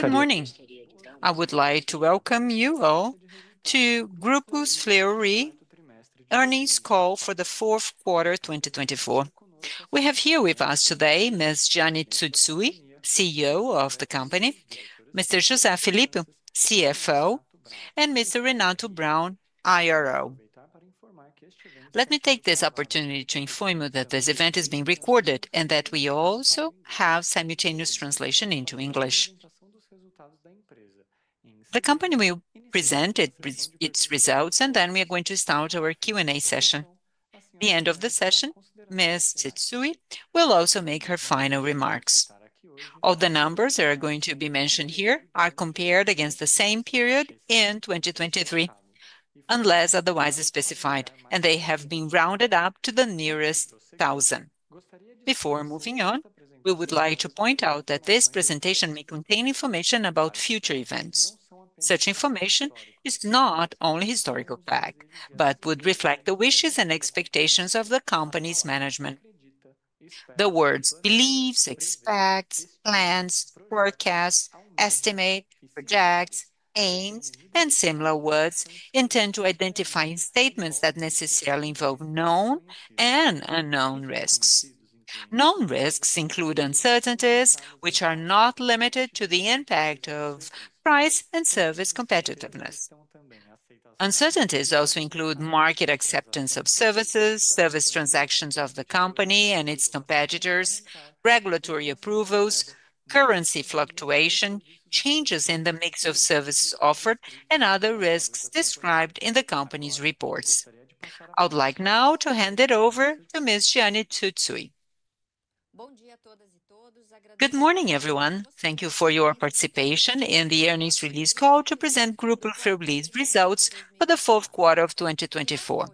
Good morning. I would like to welcome you all to Grupo Fleury's earnings call for the fourth quarter 2024. We have here with us today Ms. Jeane Tsutsui, CEO of the company; Mr. José Philippe, CFO; and Mr. Renato Braun, IRO. Let me take this opportunity to inform you that this event is being recorded and that we also have simultaneous translation into English. The company will present its results, and then we are going to start our Q&A session. At the end of the session, Ms. Tsutsui will also make her final remarks. All the numbers that are going to be mentioned here are compared against the same period in 2023, unless otherwise specified, and they have been rounded up to the nearest thousand. Before moving on, we would like to point out that this presentation may contain information about future events. Such information is not only historical fact, but would reflect the wishes and expectations of the company's management. The words "believes, expects, plans, forecasts, estimate, projects, aims," and similar words intend to identify statements that necessarily involve known and unknown risks. Known risks include uncertainties, which are not limited to the impact of price and service competitiveness. Uncertainties also include market acceptance of services, service transactions of the company and its competitors, regulatory approvals, currency fluctuation, changes in the mix of services offered, and other risks described in the company's reports. I would like now to hand it over to Ms. Jeane Tsutsui. Good morning, everyone. Thank you for your participation in the earnings release call to present Grupo Fleury's results for the fourth quarter of 2024.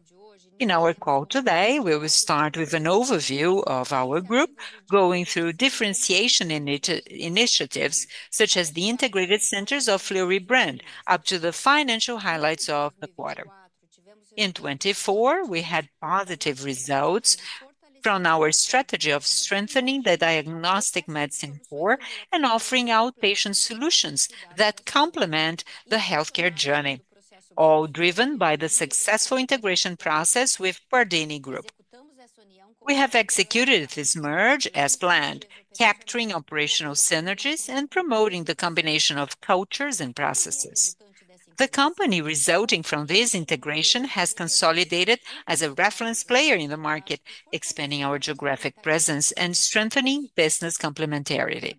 In our call today, we will start with an overview of our group, going through differentiation initiatives such as the integrated centers of the Fleury brand up to the financial highlights of the quarter. In 2024, we had positive results from our strategy of strengthening the diagnostic medicine core and offering outpatient solutions that complement the healthcare journey, all driven by the successful integration process with Grupo Pardini. We have executed this merge as planned, capturing operational synergies and promoting the combination of cultures and processes. The company resulting from this integration has consolidated as a reference player in the market, expanding our geographic presence and strengthening business complementarity.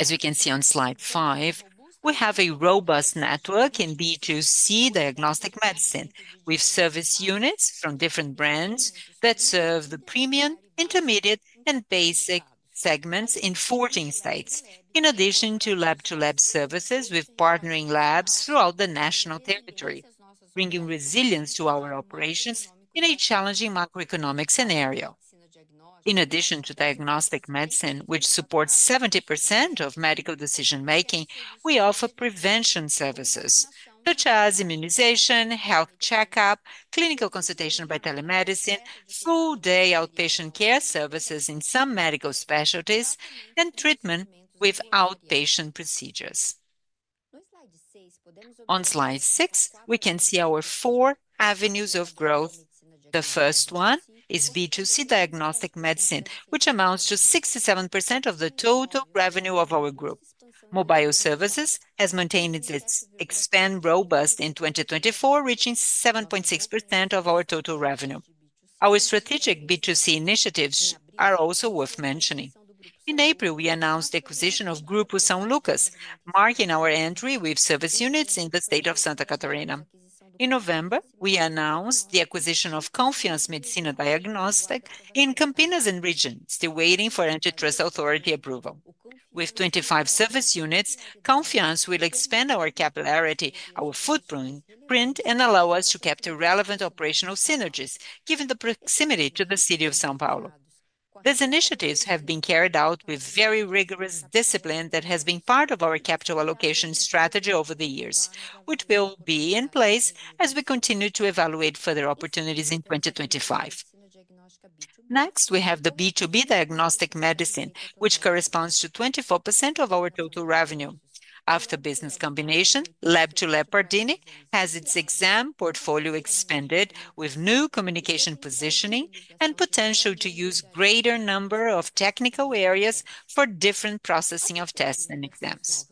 As we can see on slide five, we have a robust network in B2C diagnostic medicine with service units from different brands that serve the premium, intermediate, and basic segments in 14 states, in addition to lab-to-lab services with partnering labs throughout the national territory, bringing resilience to our operations in a challenging macroeconomic scenario. In addition to diagnostic medicine, which supports 70% of medical decision-making, we offer prevention services such as immunization, health check-up, clinical consultation by telemedicine, full-day outpatient care services in some medical specialties, and treatment with outpatient procedures. On slide six, we can see our four avenues of growth. The first one is B2C diagnostic medicine, which amounts to 67% of the total revenue of our group. Mobile services has maintained its expand robust in 2024, reaching 7.6% of our total revenue. Our strategic B2C initiatives are also worth mentioning. In April, we announced the acquisition of Grupo São Lucas, marking our entry with service units in the state of Santa Catarina. In November, we announced the acquisition of Confiance Medicina Diagnostic in Campinas and region, still waiting for Antitrust Authority approval. With 25 service units, Confiance will expand our capillarity, our footprint, and allow us to capture relevant operational synergies, given the proximity to the city of São Paulo. These initiatives have been carried out with very rigorous discipline that has been part of our capital allocation strategy over the years, which will be in place as we continue to evaluate further opportunities in 2025. Next, we have the B2B diagnostic medicine, which corresponds to 24% of our total revenue. After business combination, lab-to-lab Pardini has its exam portfolio expanded with new communication positioning and potential to use a greater number of technical areas for different processing of tests and exams.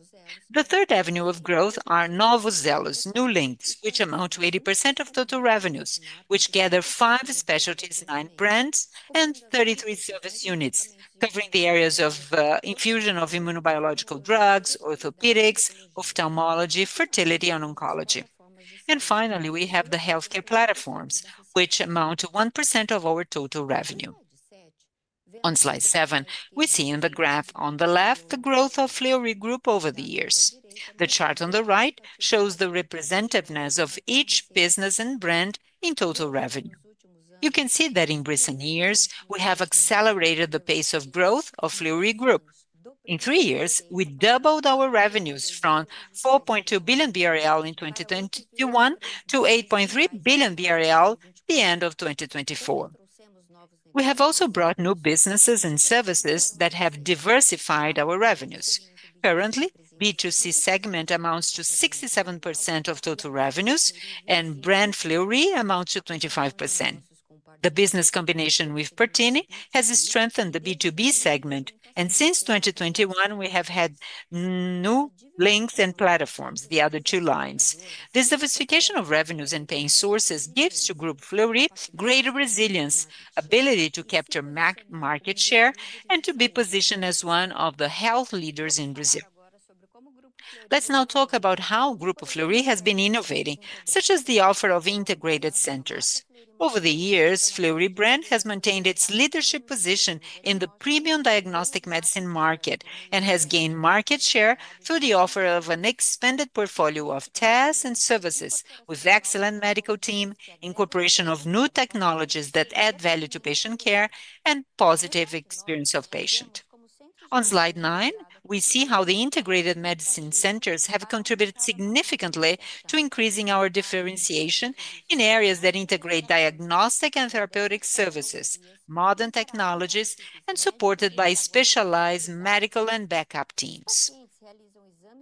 The third avenue of growth are Novo Zelos, new links, which amount to 80% of total revenues, which gather five specialties, nine brands, and 33 service units, covering the areas of infusion of immunobiological drugs, orthopedics, ophthalmology, fertility, and oncology. Finally, we have the healthcare platforms, which amount to 1% of our total revenue. On slide seven, we see in the graph on the left the growth of Fleury Group over the years. The chart on the right shows the representativeness of each business and brand in total revenue. You can see that in recent years, we have accelerated the pace of growth of Fleury Group. In three years, we doubled our revenues from 4.2 billion BRL in 2021 to 8.3 billion BRL at the end of 2024. We have also brought new businesses and services that have diversified our revenues. Currently, B2C segment amounts to 67% of total revenues, and brand Fleury amounts to 25%. The business combination with Pardini has strengthened the B2B segment, and since 2021, we have had new links and platforms, the other two lines. This diversification of revenues and paying sources gives to Grupo Fleury greater resilience, ability to capture market share, and to be positioned as one of the health leaders in Brazil. Let's now talk about how Grupo Fleury has been innovating, such as the offer of integrated centers. Over the years, Fleury brand has maintained its leadership position in the premium diagnostic medicine market and has gained market share through the offer of an expanded portfolio of tests and services with an excellent medical team, incorporation of new technologies that add value to patient care, and a positive experience of the patient. On slide nine, we see how the integrated medicine centers have contributed significantly to increasing our differentiation in areas that integrate diagnostic and therapeutic services, modern technologies, and are supported by specialized medical and backup teams.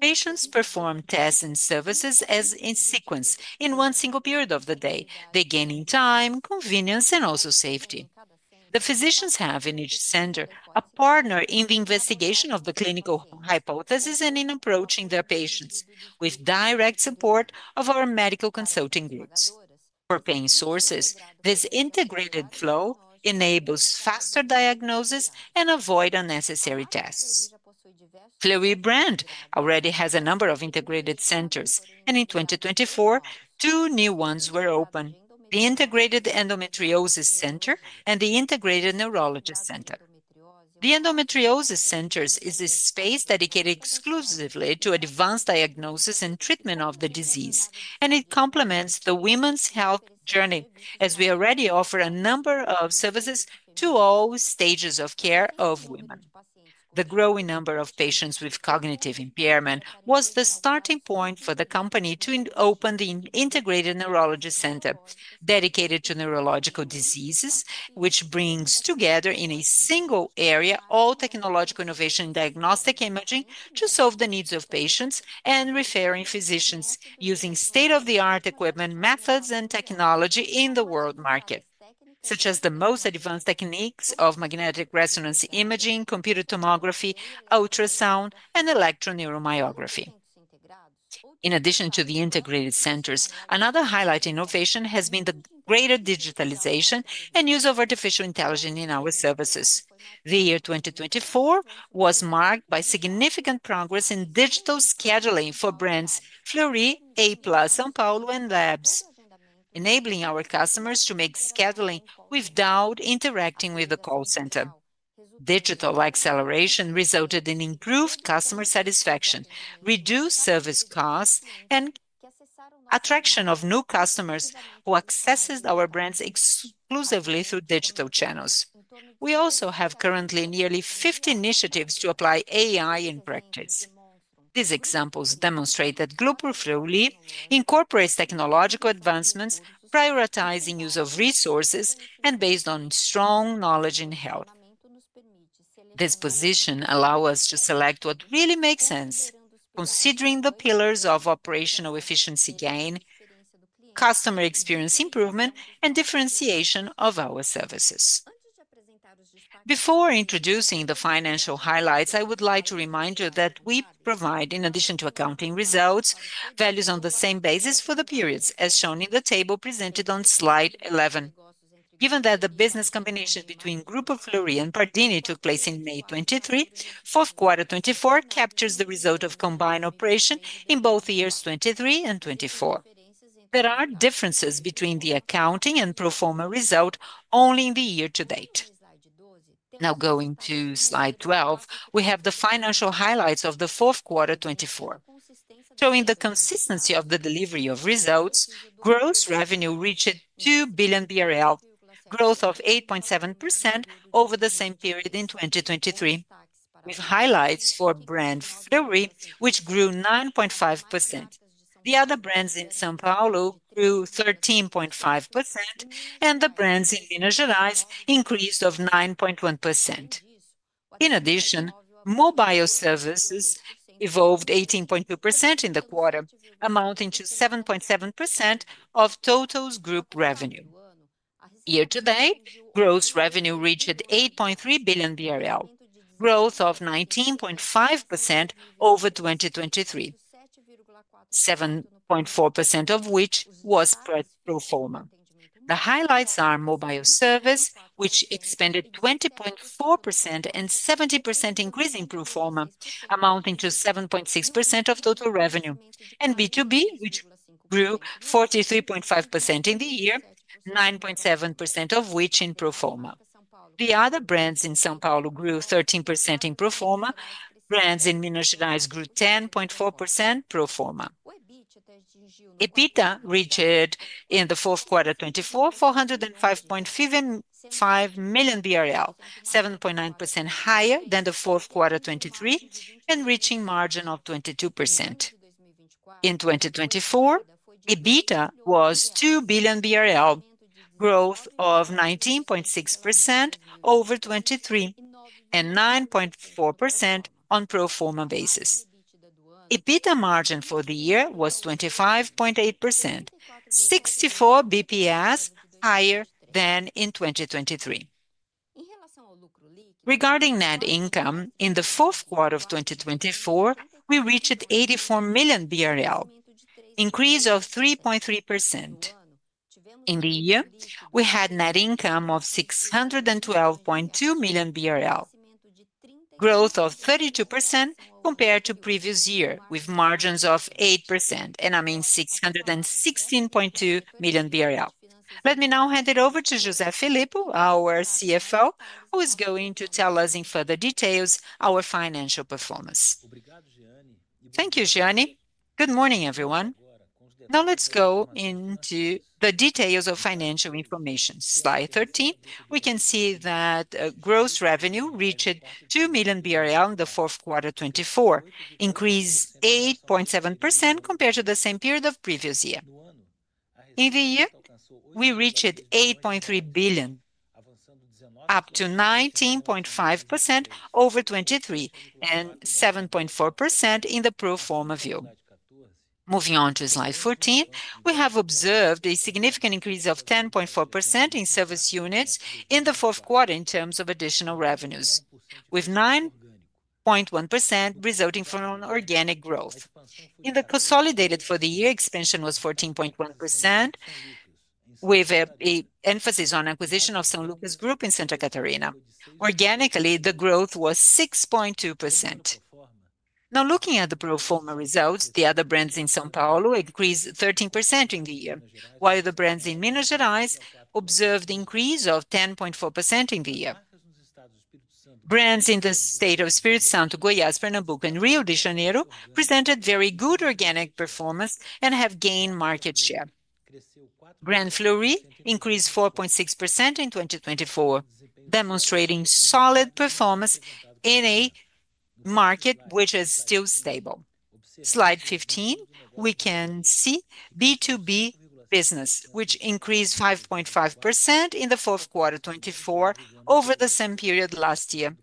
Patients perform tests and services as in sequence in one single period of the day, gaining time, convenience, and also safety. The physicians have in each center a partner in the investigation of the clinical hypothesis and in approaching their patients, with direct support of our medical consulting groups. For paying sources, this integrated flow enables faster diagnosis and avoids unnecessary tests. Fleury brand already has a number of integrated centers, and in 2024, two new ones were opened: the Integrated Endometriosis Center and the Integrated Neurology Center. The Endometriosis Center is a space dedicated exclusively to advanced diagnosis and treatment of the disease, and it complements the women's health journey, as we already offer a number of services to all stages of care of women. The growing number of patients with cognitive impairment was the starting point for the company to open the Integrated Neurology Center, dedicated to neurological diseases, which brings together in a single area all technological innovation in diagnostic imaging to solve the needs of patients and referring physicians using state-of-the-art equipment, methods, and technology in the world market, such as the most advanced techniques of magnetic resonance imaging, computer tomography, ultrasound, and electro-neuromyography. In addition to the integrated centers, another highlighted innovation has been the greater digitalization and use of artificial intelligence in our services. The year 2024 was marked by significant progress in digital scheduling for brands Fleury, A Plus, São Paulo, and labs, enabling our customers to make scheduling without interacting with the call center. Digital acceleration resulted in improved customer satisfaction, reduced service costs, and attraction of new customers who access our brands exclusively through digital channels. We also have currently nearly 50 initiatives to apply AI in practice. These examples demonstrate that Grupo Fleury incorporates technological advancements, prioritizing use of resources and based on strong knowledge and help. This position allows us to select what really makes sense, considering the pillars of operational efficiency gain, customer experience improvement, and differentiation of our services. Before introducing the financial highlights, I would like to remind you that we provide, in addition to accounting results, values on the same basis for the periods, as shown in the table presented on slide 11. Given that the business combination between Grupo Fleury and Grupo Pardini took place in May 2023, fourth quarter 2024 captures the result of combined operation in both years 2023 and 2024. There are differences between the accounting and pro forma result only in the year to date. Now, going to slide 12, we have the financial highlights of the fourth quarter 2024, showing the consistency of the delivery of results. Gross revenue reached 2 billion BRL, growth of 8.7% over the same period in 2023, with highlights for brand Fleury, which grew 9.5%. The other brands in São Paulo grew 13.5%, and the brands in Minas Gerais increased 9.1%. In addition, mobile services evolved 18.2% in the quarter, amounting to 7.7% of total group revenue. Year to date, gross revenue reached 8.3 billion BRL, growth of 19.5% over 2023, 7.4% of which was pro forma. The highlights are mobile service, which expanded 20.4% and 70% increasing pro forma, amounting to 7.6% of total revenue, and B2B, which grew 43.5% in the year, 9.7% of which in pro forma. The other brands in São Paulo grew 13% in pro forma. Brands in Minas Gerais grew 10.4% pro forma. EBITDA reached in the fourth quarter 2024, 405.5 million BRL, 7.9% higher than the fourth quarter 2023, and reaching a margin of 22%. In 2024, EBITDA was 2 billion BRL, growth of 19.6% over 2023, and 9.4% on a pro forma basis. EBITDA margin for the year was 25.8%, 64 basis points higher than in 2023. Regarding net income, in the fourth quarter of 2024, we reached 84 million BRL, an increase of 3.3%. In the year, we had net income of 612.2 million BRL, growth of 32% compared to the previous year, with margins of 8%, and I mean 616.2 million BRL. Let me now hand it over to José Filippo, our CFO, who is going to tell us in further details our financial performance. Thank you, Jeane. Good morning, everyone. Now let's go into the details of financial information. Slide 13, we can see that gross revenue reached 2 billion BRL in the fourth quarter 2024, an increase of 8.7% compared to the same period of the previous year. In the year, we reached 8.3 billion, up to 19.5% over 2023, and 7.4% in the pro forma view. Moving on to slide 14, we have observed a significant increase of 10.4% in service units in the fourth quarter in terms of additional revenues, with 9.1% resulting from organic growth. In the consolidated for the year, expansion was 14.1%, with an emphasis on the acquisition of Grupo São Lucas in Santa Catarina. Organically, the growth was 6.2%. Now, looking at the pro forma results, the other brands in São Paulo increased 13% in the year, while the brands in Minas Gerais observed an increase of 10.4% in the year. Brands in the state of Espírito Santo, Goiás, Pernambuco, and Rio de Janeiro presented very good organic performance and have gained market share. Brand Fleury increased 4.6% in 2024, demonstrating solid performance in a market which is still stable. Slide 15, we can see B2B business, which increased 5.5% in the fourth quarter 2024 over the same period last year,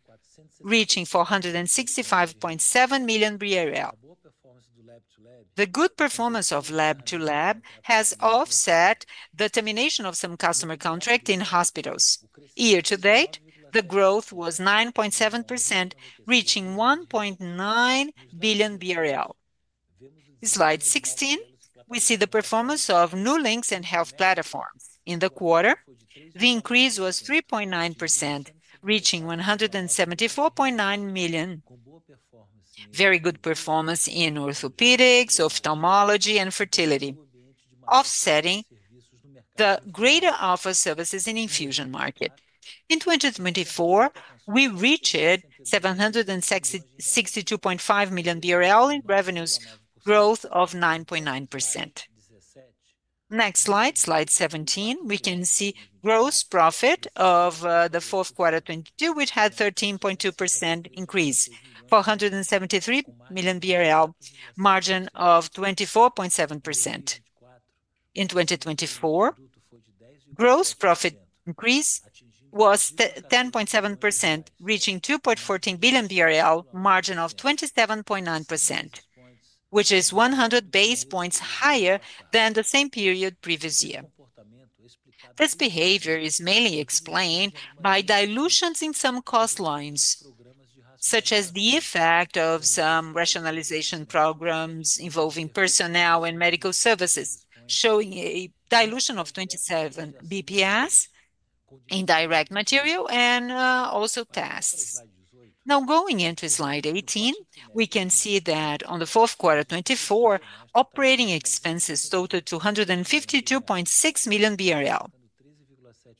reaching 465.7 million. The good performance of lab-to-lab has offset the termination of some customer contracts in hospitals. Year to date, the growth was 9.7%, reaching 1.9 billion BRL. Slide 16, we see the performance of new links and health platforms. In the quarter, the increase was 3.9%, reaching 174.9 million. Very good performance in orthopedics, ophthalmology, and fertility, offsetting the greater offer services in the infusion market. In 2024, we reached 762.5 million BRL in revenues, growth of 9.9%. Next slide, slide 17, we can see gross profit of the fourth quarter 2022, which had a 13.2% increase, 473 million BRL, margin of 24.7%. In 2024, gross profit increase was 10.7%, reaching 2.14 billion BRL, margin of 27.9%, which is 100 basis points higher than the same period previous year. This behavior is mainly explained by dilutions in some cost lines, such as the effect of some rationalization programs involving personnel and medical services, showing a dilution of 27 basis points in direct material and also tests. Now, going into slide 18, we can see that on the fourth quarter 2024, operating expenses totaled 252.6 million BRL,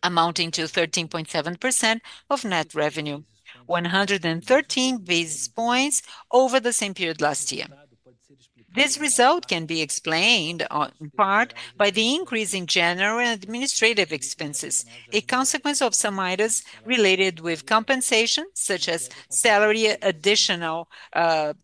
amounting to 13.7% of net revenue, 113 basis points over the same period last year. This result can be explained in part by the increase in general administrative expenses, a consequence of some items related with compensation, such as salary additional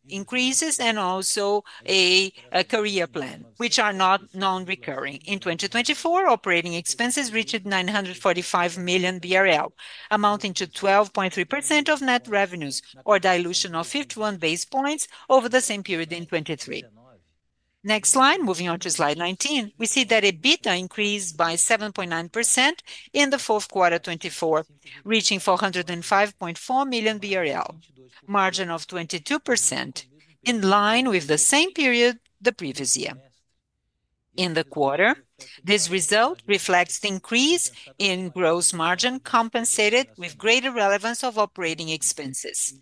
increases and also a career plan, which are not non-recurring. In 2024, operating expenses reached 945 million BRL, amounting to 12.3% of net revenues, or a dilution of 51 basis points over the same period in 2023. Next slide, moving on to slide 19, we see that EBITDA increased by 7.9% in the fourth quarter 2024, reaching 405.4 million BRL, margin of 22%, in line with the same period the previous year. In the quarter, this result reflects the increase in gross margin compensated with greater relevance of operating expenses.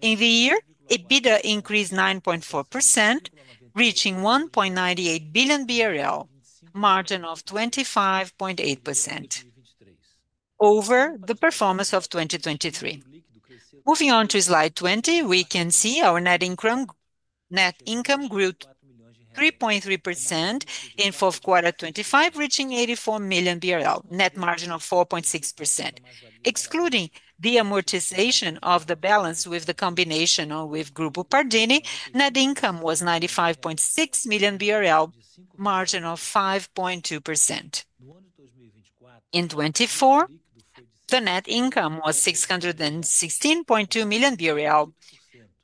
In the year, EBITDA increased 9.4%, reaching BRL 1.98 billion, margin of 25.8%, over the performance of 2023. Moving on to slide 20, we can see our net income grew 3.3% in the fourth quarter 2025, reaching 84 million BRL, net margin of 4.6%. Excluding the amortization of the balance with the combination with Grupo Pardini, net income was 95.6 million BRL, margin of 5.2%. In 2024, the net income was 616.2 million BRL,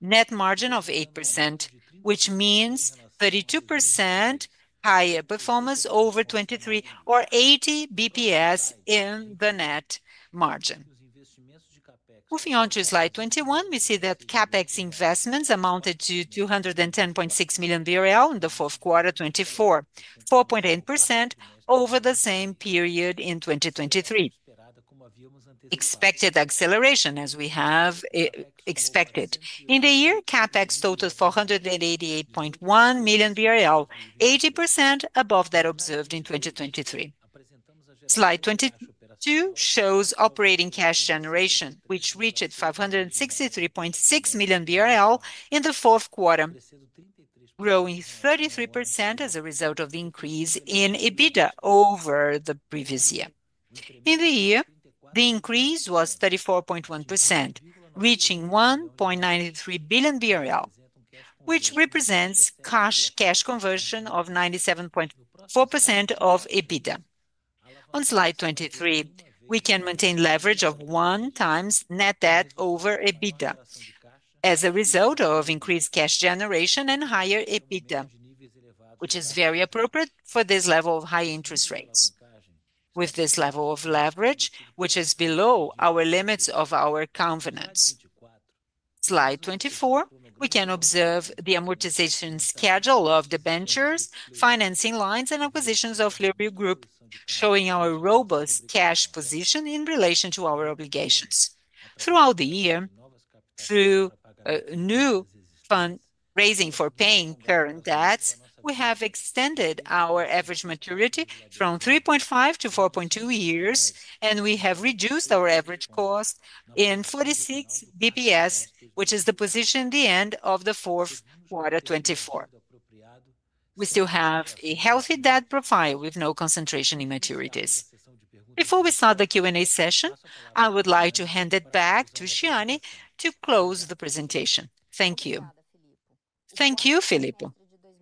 net margin of 8%, which means 32% higher performance over 2023, or 80 basis points in the net margin. Moving on to slide 21, we see that CAPEX investments amounted to 210.6 million BRL in the fourth quarter 2024, 4.8% over the same period in 2023. Expected acceleration, as we have expected. In the year, CAPEX totaled 488.1 million BRL, 80% above that observed in 2023. Slide 22 shows operating cash generation, which reached 563.6 million BRL in the fourth quarter, growing 33% as a result of the increase in EBITDA over the previous year. In the year, the increase was 34.1%, reaching 1.93 billion BRL, which represents cash conversion of 97.4% of EBITDA. On slide 23, we can maintain leverage of 1 times net debt over EBITDA as a result of increased cash generation and higher EBITDA, which is very appropriate for this level of high interest rates. With this level of leverage, which is below our limits of our covenants. Slide 24, we can observe the amortization schedule of the ventures, financing lines, and acquisitions of Grupo Fleury, showing our robust cash position in relation to our obligations. Throughout the year, through new fund raising for paying current debts, we have extended our average maturity from 3.5 to 4.2 years, and we have reduced our average cost in 46 basis points, which is the position at the end of the fourth quarter 2024. We still have a healthy debt profile with no concentration in maturities. Before we start the Q&A session, I would like to hand it back to Jeane to close the presentation. Thank you. Thank you, Filippo.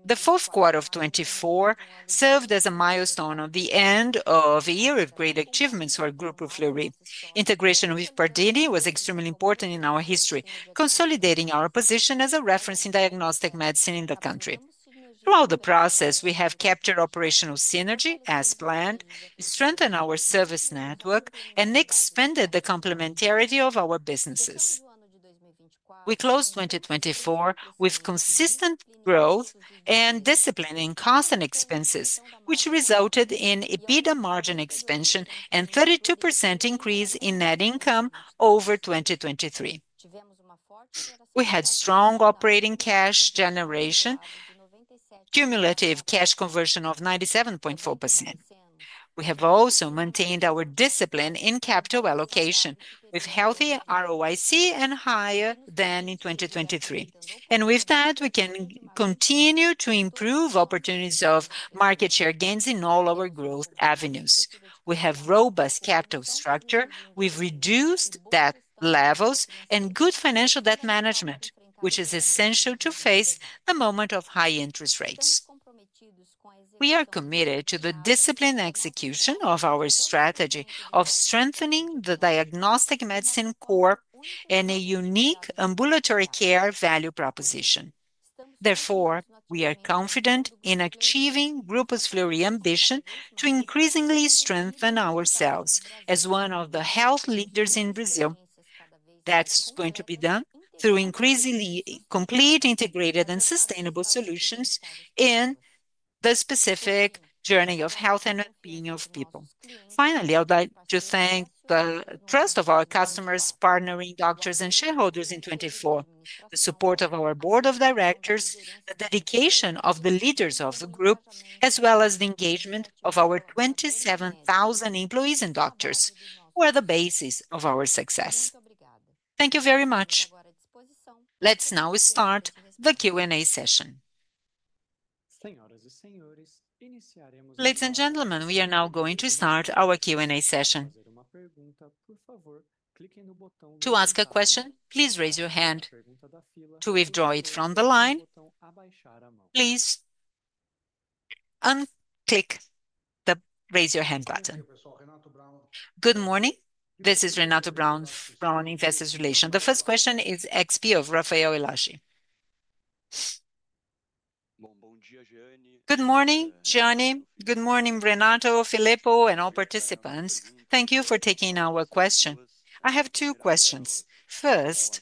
The fourth quarter of 2024 served as a milestone of the end of the year with great achievements for Grupo Fleury. Integration with Pardini was extremely important in our history, consolidating our position as a reference in diagnostic medicine in the country. Throughout the process, we have captured operational synergy as planned, strengthened our service network, and expanded the complementarity of our businesses. We closed 2024 with consistent growth and disciplining costs and expenses, which resulted in EBITDA margin expansion and a 32% increase in net income over 2023. We had strong operating cash generation, cumulative cash conversion of 97.4%. We have also maintained our discipline in capital allocation, with healthy ROIC and higher than in 2023. With that, we can continue to improve opportunities of market share gains in all our growth avenues. We have a robust capital structure. We have reduced debt levels and good financial debt management, which is essential to face the moment of high interest rates. We are committed to the disciplined execution of our strategy of strengthening the diagnostic medicine core and a unique ambulatory care value proposition. Therefore, we are confident in achieving Grupo Fleury's ambition to increasingly strengthen ourselves as one of the health leaders in Brazil. That is going to be done through increasingly complete, integrated, and sustainable solutions in the specific journey of health and well-being of people. Finally, I would like to thank the trust of our customers, partnering doctors and shareholders in 2024, the support of our board of directors, the dedication of the leaders of the group, as well as the engagement of our 27,000 employees and doctors, who are the basis of our success. Thank you very much. Let's now start the Q&A session. Ladies and gentlemen, we are now going to start our Q&A session. To ask a question, please raise your hand. To withdraw it from the line, please unclick the raise your hand button. Good morning. This is Renato Braun from Investor Relations. The first question is XP of Rafael Elashi. Good morning, Jeane. Good morning, Renato, Filippo, and all participants. Thank you for taking our question. I have two questions. First,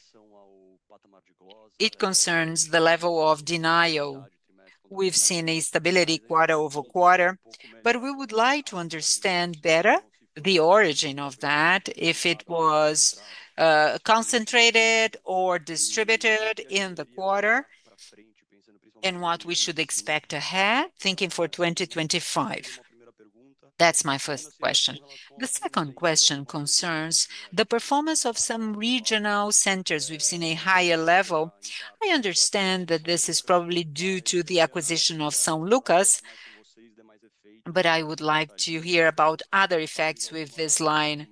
it concerns the level of denial. We've seen instability quarter over quarter, but we would like to understand better the origin of that, if it was concentrated or distributed in the quarter, and what we should expect ahead. Thinking for 2025, that's my first question. The second question concerns the performance of some regional centers. We've seen a higher level. I understand that this is probably due to the acquisition of São Lucas, but I would like to hear about other effects with this line,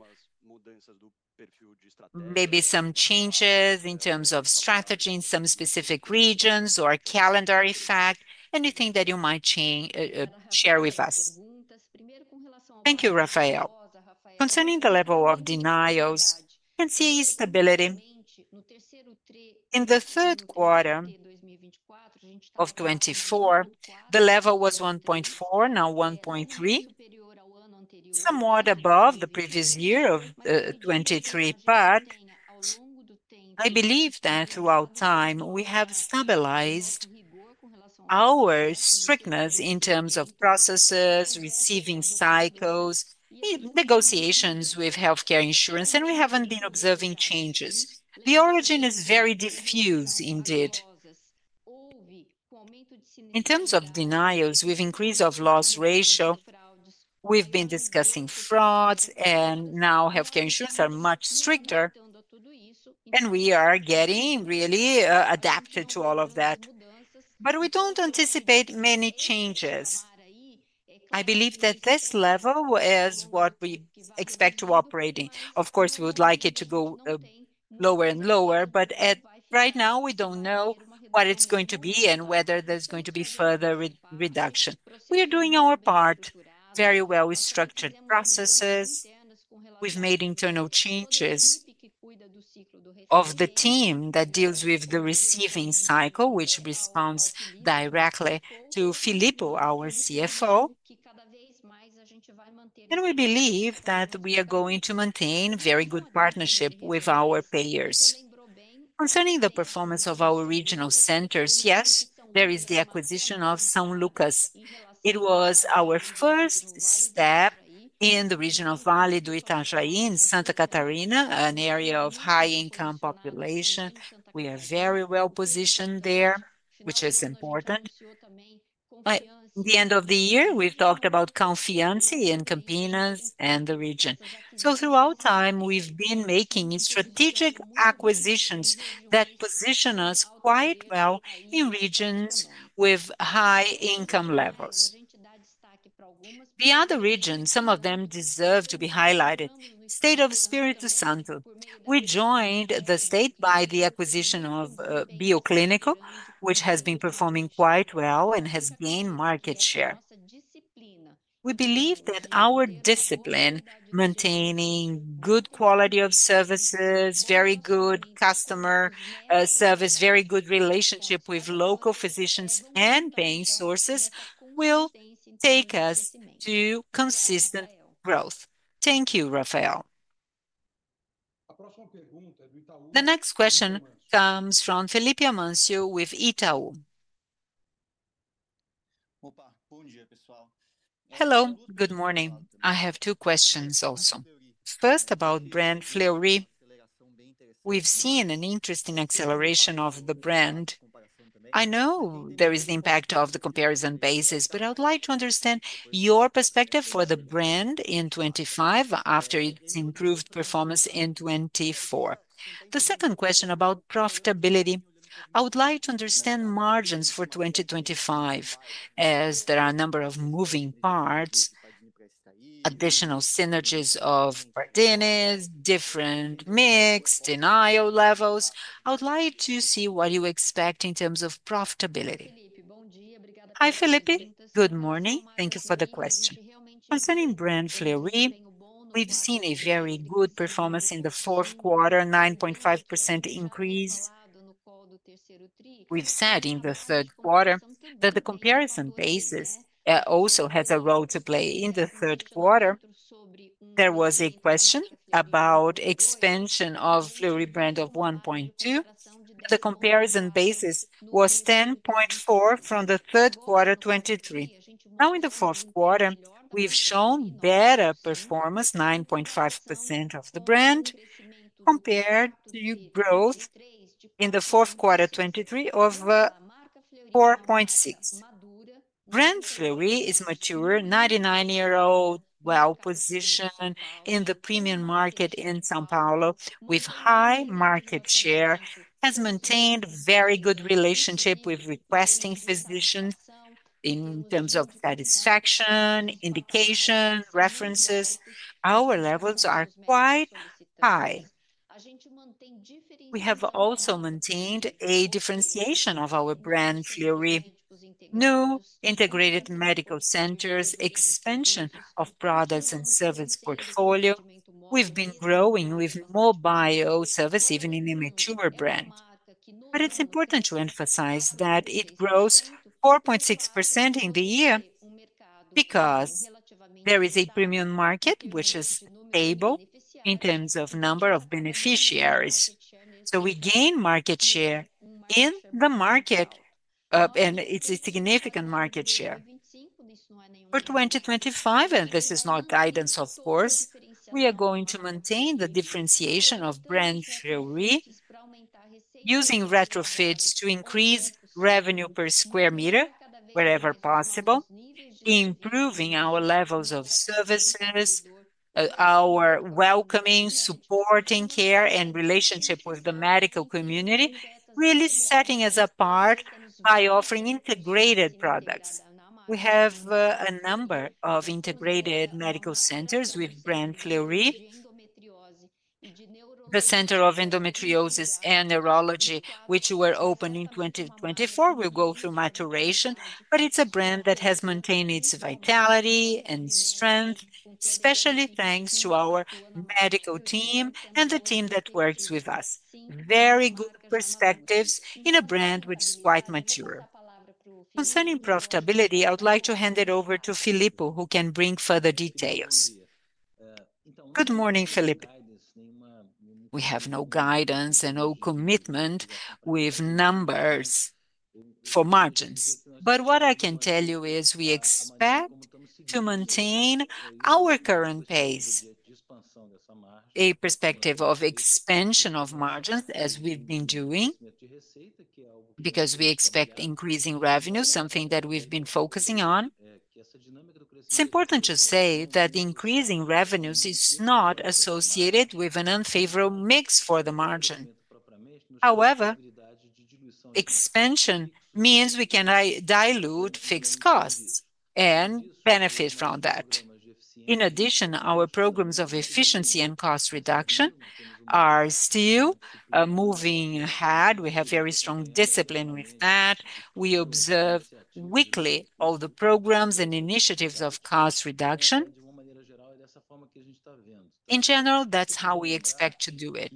maybe some changes in terms of strategy in some specific regions or calendar effect, anything that you might share with us. Thank you, Rafael. Concerning the level of denials, you can see stability. In the third quarter of 2024, the level was 1.4, now 1.3, somewhat above the previous year of 2023. I believe that throughout time, we have stabilized our strictness in terms of processes, receiving cycles, negotiations with healthcare insurance, and we have not been observing changes. The origin is very diffused, indeed. In terms of denials, we have increased our loss ratio. We have been discussing frauds, and now healthcare insurance is much stricter, and we are getting really adapted to all of that. We do not anticipate many changes. I believe that this level is what we expect to operate in. Of course, we would like it to go lower and lower, but right now, we do not know what it is going to be and whether there is going to be further reduction. We are doing our part very well with structured processes. We have made internal changes of the team that deals with the receiving cycle, which responds directly to José Philippe, our CFO. We believe that we are going to maintain a very good partnership with our payers. Concerning the performance of our regional centers, yes, there is the acquisition of Grupo São Lucas. It was our first step in the regional Vale do Itajaí, in Santa Catarina, an area of high-income population. We are very well positioned there, which is important. At the end of the year, we have talked about Confiance and Campinas and the region. Throughout time, we have been making strategic acquisitions that position us quite well in regions with high-income levels. Beyond the region, some of them deserve to be highlighted. State of Espírito Santo. We joined the state by the acquisition of Bio Clínico, which has been performing quite well and has gained market share. We believe that our discipline, maintaining good quality of services, very good customer service, very good relationship with local physicians and paying sources, will take us to consistent growth. Thank you, Rafael. The next question comes from Felipe Amancio with Itaú. Hello, good morning. I have two questions also. First, about brand Fleury. We've seen an interesting acceleration of the brand. I know there is the impact of the comparison basis, but I would like to understand your perspective for the brand in 2025 after its improved performance in 2024. The second question about profitability. I would like to understand margins for 2025, as there are a number of moving parts, additional synergies of Pardini, different mix denial levels. I would like to see what you expect in terms of profitability. Hi, Felipe. Good morning. Thank you for the question. Concerning brand Fleury, we've seen a very good performance in the fourth quarter, 9.5% increase. We've said in the third quarter that the comparison basis also has a role to play in the third quarter. There was a question about expansion of Fleury brand of 1.2. The comparison basis was 10.4 from the third quarter 2023. Now, in the fourth quarter, we've shown better performance, 9.5% of the brand compared to growth in the fourth quarter 2023 of 4.6%. Brand Fleury is mature, 99-year-old, well-positioned in the premium market in São Paulo, with high market share, has maintained a very good relationship with requesting physicians in terms of satisfaction, indication, references. Our levels are quite high. We have also maintained a differentiation of our brand Fleury, new integrated medical centers, expansion of products and service portfolio. We've been growing with more bio service, even in a mature brand. It is important to emphasize that it grows 4.6% in the year because there is a premium market, which is stable in terms of number of beneficiaries. We gain market share in the market, and it is a significant market share. For 2025, and this is not guidance, of course, we are going to maintain the differentiation of brand Fleury using retrofits to increase revenue per square meter, wherever possible, improving our levels of services, our welcoming, supporting care, and relationship with the medical community, really setting us apart by offering integrated products. We have a number of integrated medical centers with brand Fleury, the Center of Endometriosis and Neurology, which were opened in 2024. They will go through maturation, but it is a brand that has maintained its vitality and strength, especially thanks to our medical team and the team that works with us. Very good perspectives in a brand which is quite mature. Concerning profitability, I would like to hand it over to Filippo, who can bring further details. Good morning, Filippo. We have no guidance and no commitment with numbers for margins. What I can tell you is we expect to maintain our current pace, a perspective of expansion of margins as we've been doing, because we expect increasing revenue, something that we've been focusing on. It's important to say that the increase in revenues is not associated with an unfavorable mix for the margin. However, expansion means we can dilute fixed costs and benefit from that. In addition, our programs of efficiency and cost reduction are still moving ahead. We have very strong discipline with that. We observe weekly all the programs and initiatives of cost reduction. In general, that's how we expect to do it.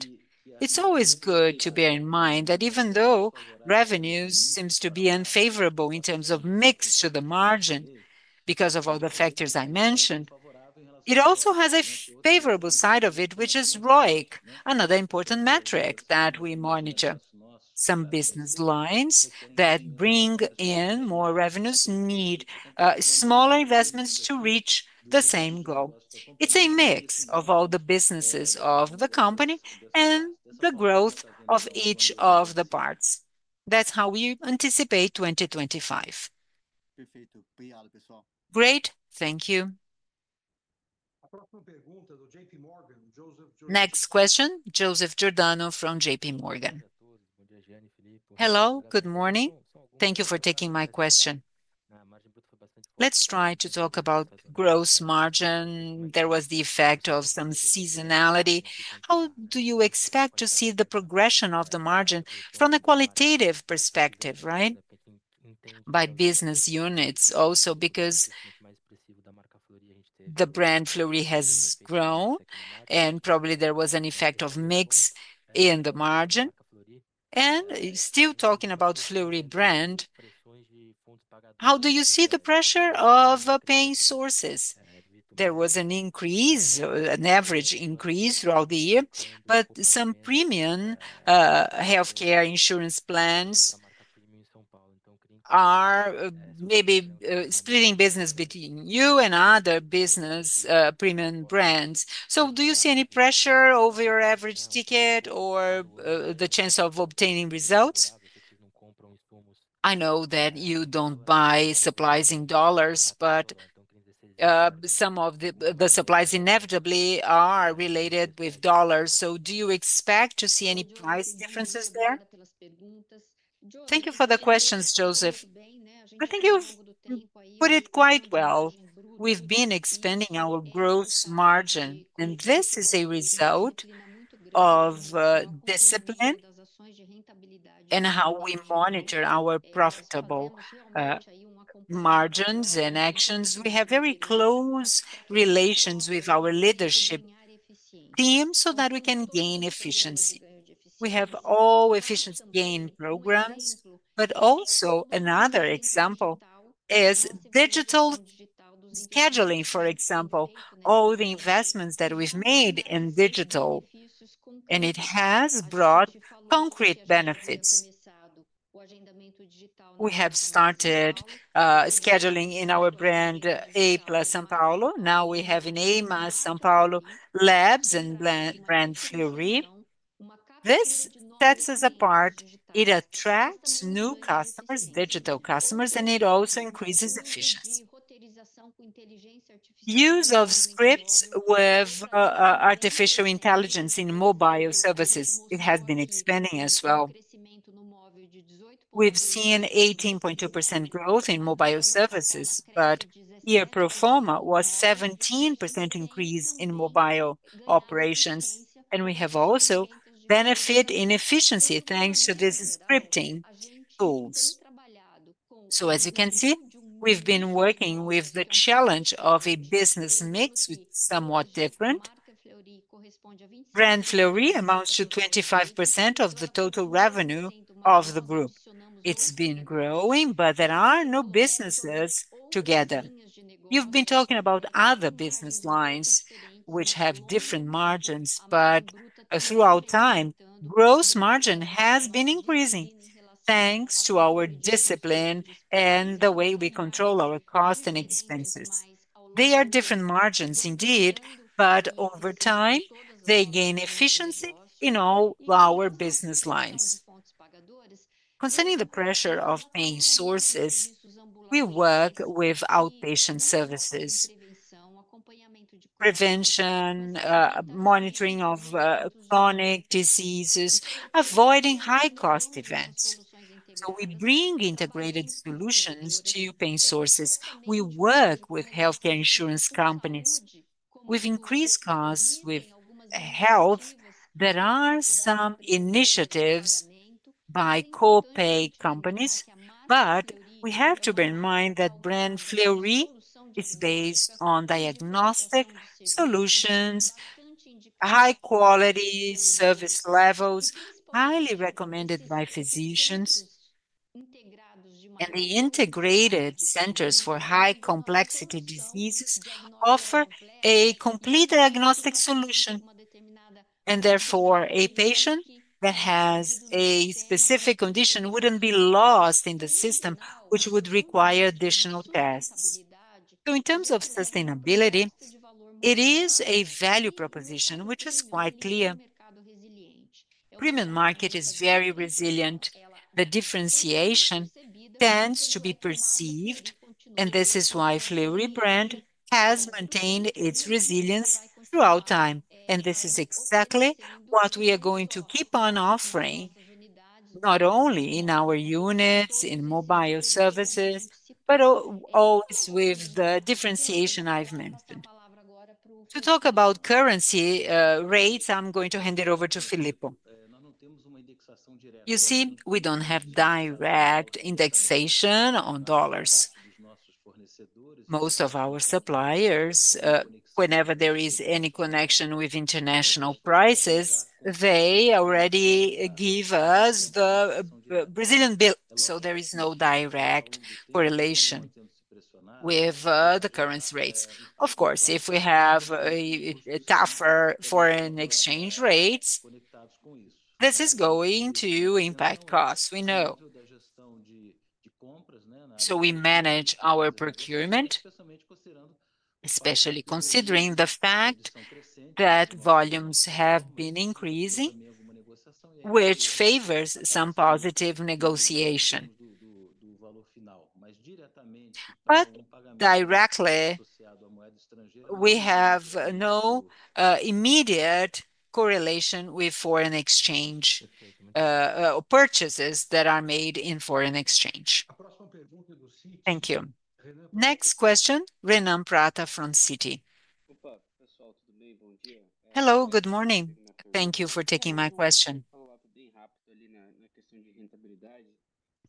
It's always good to bear in mind that even though revenues seem to be unfavorable in terms of mix to the margin because of all the factors I mentioned, it also has a favorable side of it, which is ROIC, another important metric that we monitor. Some business lines that bring in more revenues need smaller investments to reach the same goal. It's a mix of all the businesses of the company and the growth of each of the parts. That's how we anticipate 2025. Great, thank you. Next question, Joseph Giordano from JP Morgan. Hello, good morning. Thank you for taking my question. Let's try to talk about gross margin. There was the effect of some seasonality. How do you expect to see the progression of the margin from a qualitative perspective, right? By business units also, because the brand Fleury has grown and probably there was an effect of mix in the margin. Still talking about Fleury brand, how do you see the pressure of paying sources? There was an increase, an average increase throughout the year, but some premium healthcare insurance plans are maybe splitting business between you and other business premium brands. Do you see any pressure over your average ticket or the chance of obtaining results? I know that you do not buy supplies in dollars, but some of the supplies inevitably are related with dollars. Do you expect to see any price differences there? Thank you for the questions, Joseph. I think you have put it quite well. We have been expanding our gross margin, and this is a result of discipline and how we monitor our profitable margins and actions. We have very close relations with our leadership team so that we can gain efficiency. We have all efficiency gain programs, but also another example is digital scheduling, for example, all the investments that we've made in digital, and it has brought concrete benefits. We have started scheduling in our brand A+ São Paulo. Now we have an A+ São Paulo labs and brand Fleury. This sets us apart. It attracts new customers, digital customers, and it also increases efficiency. Use of scripts with artificial intelligence in mobile services. It has been expanding as well. We've seen 18.2% growth in mobile services, but year proforma was 17% increase in mobile operations, and we have also benefit in efficiency thanks to this scripting tools. As you can see, we've been working with the challenge of a business mix with somewhat different. Brand Fleury amounts to 25% of the total revenue of the group. It's been growing, but there are no businesses together. You've been talking about other business lines which have different margins, but throughout time, gross margin has been increasing thanks to our discipline and the way we control our costs and expenses. They are different margins indeed, but over time, they gain efficiency in all our business lines. Concerning the pressure of paying sources, we work with outpatient services, prevention, monitoring of chronic diseases, avoiding high-cost events. We bring integrated solutions to paying sources. We work with healthcare insurance companies. We've increased costs with health. There are some initiatives by co-pay companies, but we have to bear in mind that brand Fleury is based on diagnostic solutions, high-quality service levels, highly recommended by physicians, and the integrated centers for high-complexity diseases offer a complete diagnostic solution. Therefore, a patient that has a specific condition would not be lost in the system, which would require additional tests. In terms of sustainability, it is a value proposition which is quite clear. Premium market is very resilient. The differentiation tends to be perceived, and this is why Fleury brand has maintained its resilience throughout time. This is exactly what we are going to keep on offering, not only in our units, in mobile services, but always with the differentiation I have mentioned. To talk about currency rates, I am going to hand it over to Filippo. You see, we do not have direct indexation on dollars. Most of our suppliers, whenever there is any connection with international prices, they already give us the Brazilian bill, so there is no direct correlation with the currency rates. Of course, if we have tougher foreign exchange rates, this is going to impact costs, we know. We manage our procurement, especially considering the fact that volumes have been increasing, which favors some positive negotiation. Directly, we have no immediate correlation with foreign exchange purchases that are made in foreign exchange. Thank you. Next question, Renan Prata from Citi. Hello, good morning. Thank you for taking my question.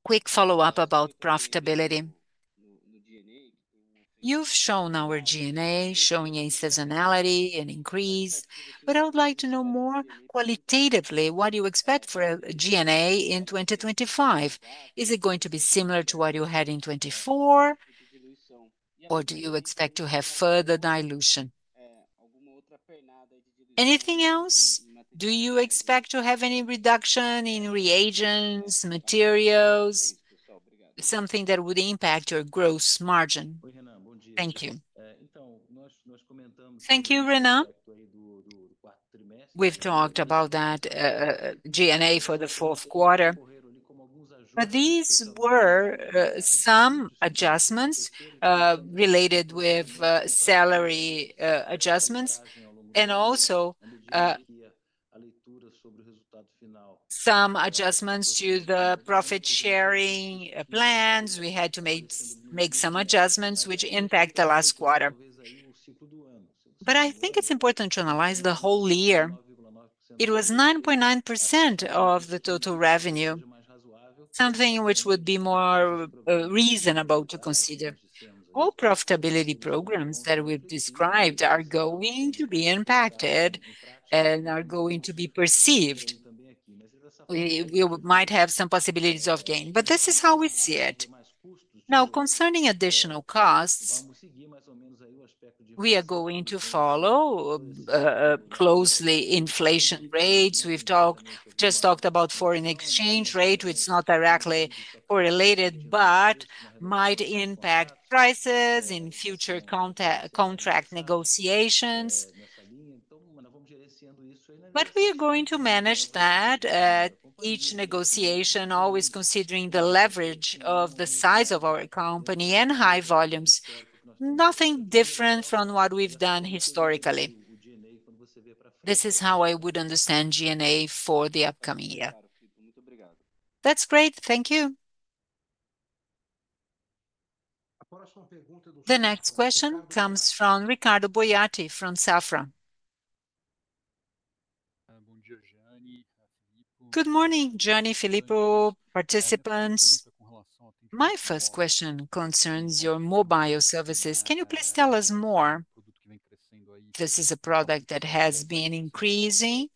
Quick follow-up about profitability. You've shown our G&A showing a seasonality and increase, but I would like to know more qualitatively what do you expect for G&A in 2025? Is it going to be similar to what you had in 2024, or do you expect to have further dilution? Anything else? Do you expect to have any reduction in reagents, materials, something that would impact your gross margin? Thank you. Thank you, Renan. We've talked about that G&A for the fourth quarter, but these were some adjustments related with salary adjustments and also some adjustments to the profit-sharing plans. We had to make some adjustments which impact the last quarter. I think it's important to analyze the whole year. It was 9.9% of the total revenue, something which would be more reasonable to consider. All profitability programs that we've described are going to be impacted and are going to be perceived. We might have some possibilities of gain, but this is how we see it. Now, concerning additional costs, we are going to follow closely inflation rates. We've just talked about foreign exchange rate, which is not directly correlated, but might impact prices in future contract negotiations. We are going to manage that each negotiation, always considering the leverage of the size of our company and high volumes. Nothing different from what we've done historically. This is how I would understand G&A for the upcoming year. That's great. Thank you. The next question comes from Ricardo Boyati from Safra. Good morning, Johnny Filippo, participants. My first question concerns your mobile services. Can you please tell us more? This is a product that has been increasing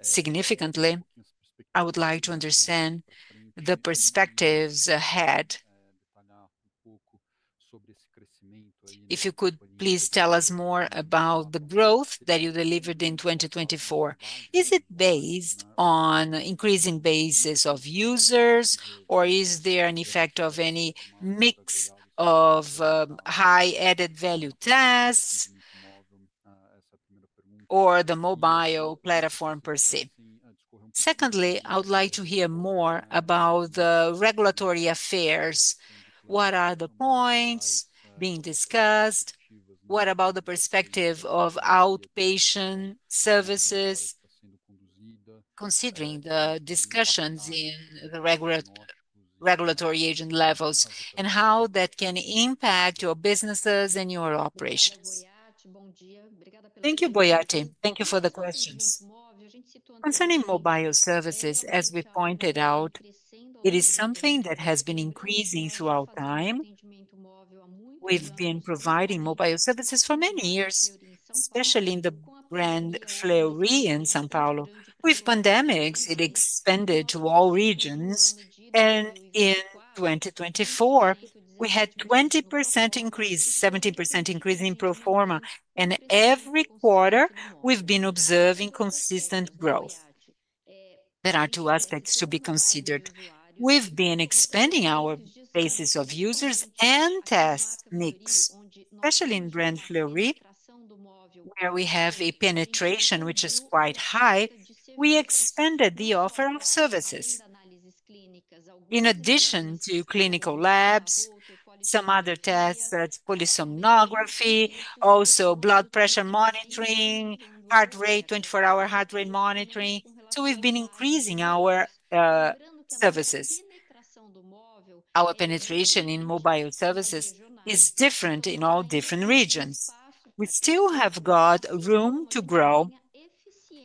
significantly. I would like to understand the perspectives ahead. If you could please tell us more about the growth that you delivered in 2024. Is it based on increasing bases of users, or is there an effect of any mix of high added value tasks or the mobile platform per se? Secondly, I would like to hear more about the regulatory affairs. What are the points being discussed? What about the perspective of outpatient services considering the discussions in the regulatory agent levels and how that can impact your businesses and your operations? Thank you, Boyati. Thank you for the questions. Concerning mobile services, as we pointed out, it is something that has been increasing throughout time. We've been providing mobile services for many years, especially in the brand Fleury in São Paulo. With pandemics, it expanded to all regions, and in 2024, we had a 20% increase, 70% increase in pro forma, and every quarter, we've been observing consistent growth. There are two aspects to be considered. We've been expanding our bases of users and test mix, especially in brand Fleury, where we have a penetration which is quite high. We expanded the offer of services, in addition to clinical labs, some other tests, such as polysomnography, also blood pressure monitoring, heart rate, 24-hour heart rate monitoring. We've been increasing our services. Our penetration in mobile services is different in all different regions. We still have got room to grow,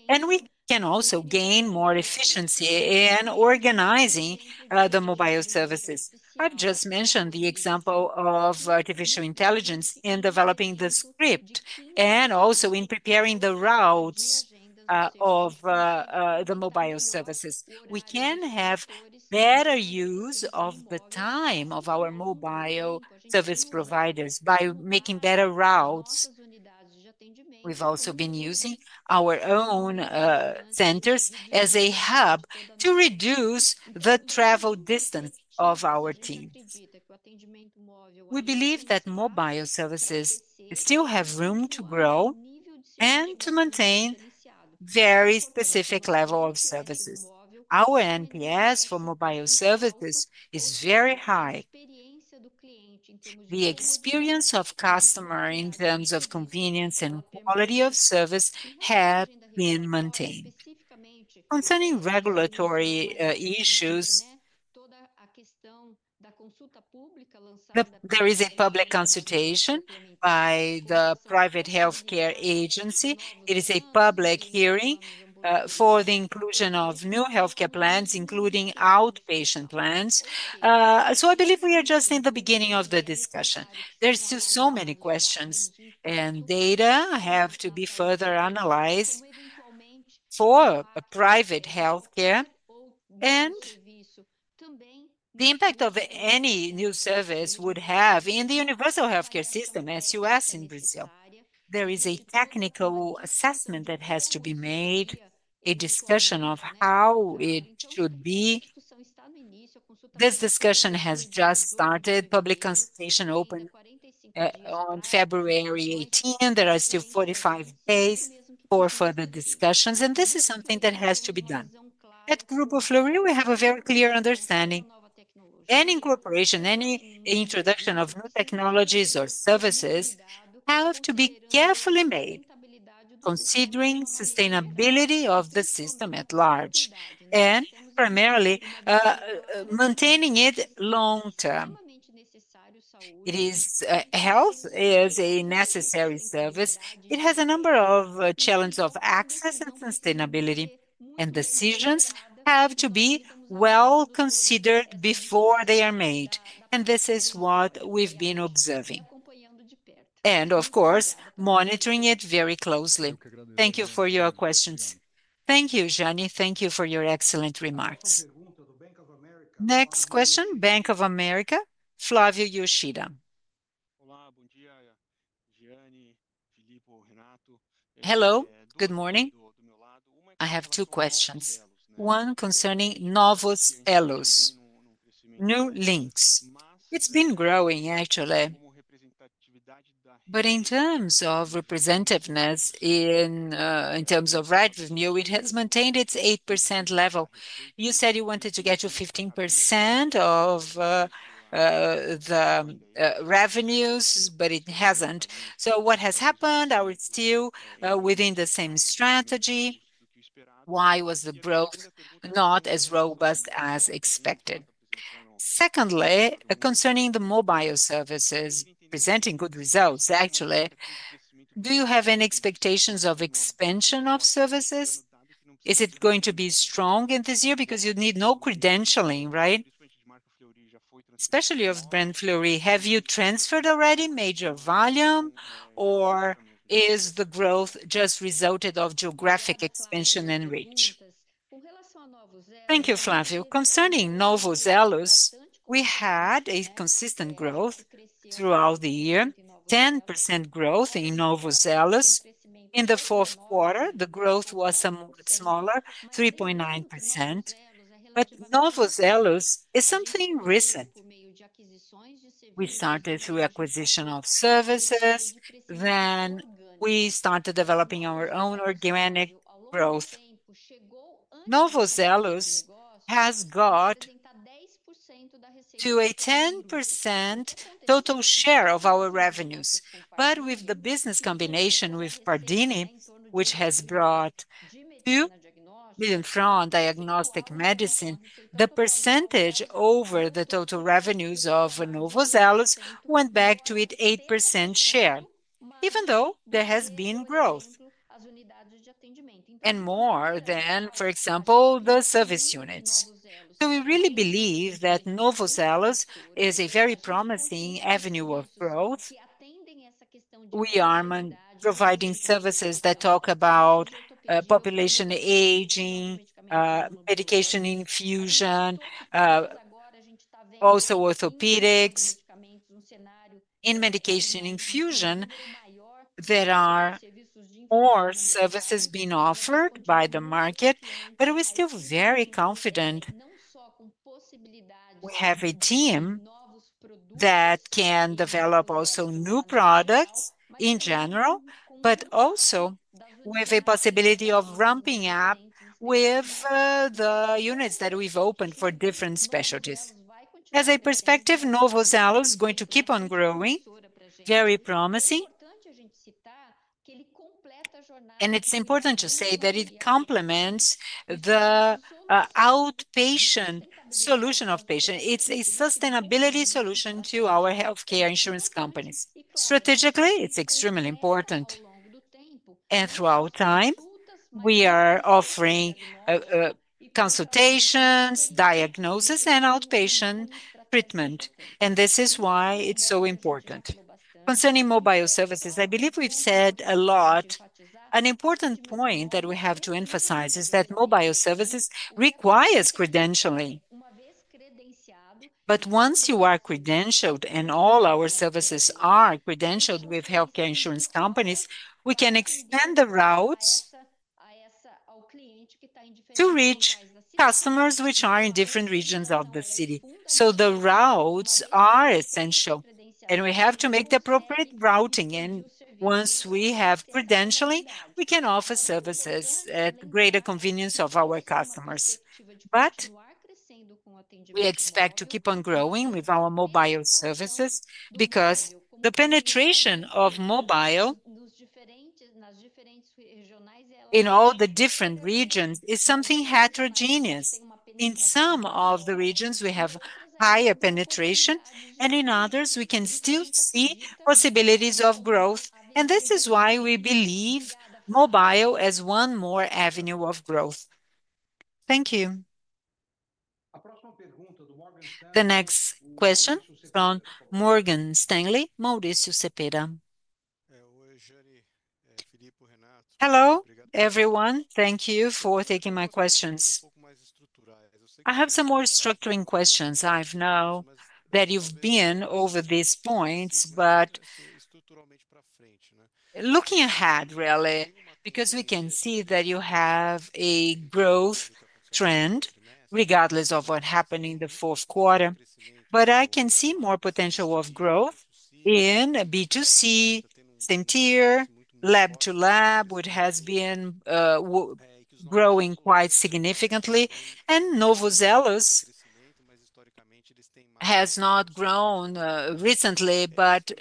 and we can also gain more efficiency in organizing the mobile services. I've just mentioned the example of artificial intelligence in developing the script and also in preparing the routes of the mobile services. We can have better use of the time of our mobile service providers by making better routes. We've also been using our own centers as a hub to reduce the travel distance of our team. We believe that mobile services still have room to grow and to maintain a very specific level of services. Our NPS for mobile services is very high. The experience of customers in terms of convenience and quality of service has been maintained. Concerning regulatory issues, there is a public consultation by the private healthcare agency. It is a public hearing for the inclusion of new healthcare plans, including outpatient plans. I believe we are just in the beginning of the discussion. There are still so many questions, and data have to be further analyzed for private healthcare and the impact any new service would have in the universal healthcare system, SUS in Brazil. There is a technical assessment that has to be made, a discussion of how it should be. This discussion has just started. Public consultation opened on February 18. There are still 45 days for further discussions, and this is something that has to be done. At Grupo Fleury, we have a very clear understanding that any incorporation, any introduction of new technologies or services have to be carefully made, considering the sustainability of the system at large and primarily maintaining it long term. Health is a necessary service. It has a number of challenges of access and sustainability, and decisions have to be well considered before they are made. This is what we've been observing and, of course, monitoring it very closely. Thank you for your questions. Thank you, Johnny. Thank you for your excellent remarks. Next question, Bank of America, Flávio Yoshida. Hello, good morning. I have two questions. One concerning Novo Zelos, new links. It's been growing, actually, but in terms of representativeness, in terms of revenue, it has maintained its 8% level. You said you wanted to get to 15% of the revenues, but it hasn't. What has happened? Are we still within the same strategy? Why was the growth not as robust as expected? Secondly, concerning the mobile services, presenting good results, actually, do you have any expectations of expansion of services? Is it going to be strong in this year? Because you need no credentialing, right? Especially of brand Fleury. Have you transferred already major volume, or is the growth just resulted of geographic expansion and reach? Thank you, Flávio. Concerning Novo Zelos, we had a consistent growth throughout the year, 10% growth in Novo Zelos. In the fourth quarter, the growth was somewhat smaller, 3.9%. Novo Zelos is something recent. We started through acquisition of services, then we started developing our own organic growth. Novo Zelos has got to a 10% total share of our revenues. With the business combination with Pardini, which has brought to Lidenfront Diagnostic Medicine, the percentage over the total revenues of Novo Zelos went back to its 8% share, even though there has been growth and more than, for example, the service units. We really believe that Novo Zelos is a very promising avenue of growth. We are providing services that talk about population aging, medication infusion, also orthopedics. In medication infusion, there are more services being offered by the market, but we're still very confident. We have a team that can develop also new products in general, but also with a possibility of ramping up with the units that we've opened for different specialties. As a perspective, Novo Zelos is going to keep on growing, very promising. It is important to say that it complements the outpatient solution of patients. It is a sustainability solution to our healthcare insurance companies. Strategically, it's extremely important. Throughout time, we are offering consultations, diagnosis, and outpatient treatment. This is why it's so important. Concerning mobile services, I believe we've said a lot. An important point that we have to emphasize is that mobile services require credentialing. Once you are credentialed and all our services are credentialed with healthcare insurance companies, we can extend the routes to reach customers which are in different regions of the city. The routes are essential, and we have to make the appropriate routing. Once we have credentialing, we can offer services at greater convenience of our customers. We expect to keep on growing with our mobile services because the penetration of mobile in all the different regions is something heterogeneous. In some of the regions, we have higher penetration, and in others, we can still see possibilities of growth. This is why we believe mobile as one more avenue of growth. Thank you. The next question from Morgan Stanley, Maurício Cepeda. Hello, everyone. Thank you for taking my questions. I have some more structuring questions. I know that you've been over these points, but looking ahead, really, because we can see that you have a growth trend regardless of what happened in the fourth quarter. I can see more potential of growth in B2C, same tier, Lab-to-Lab, which has been growing quite significantly. Novo Zelos has not grown recently, but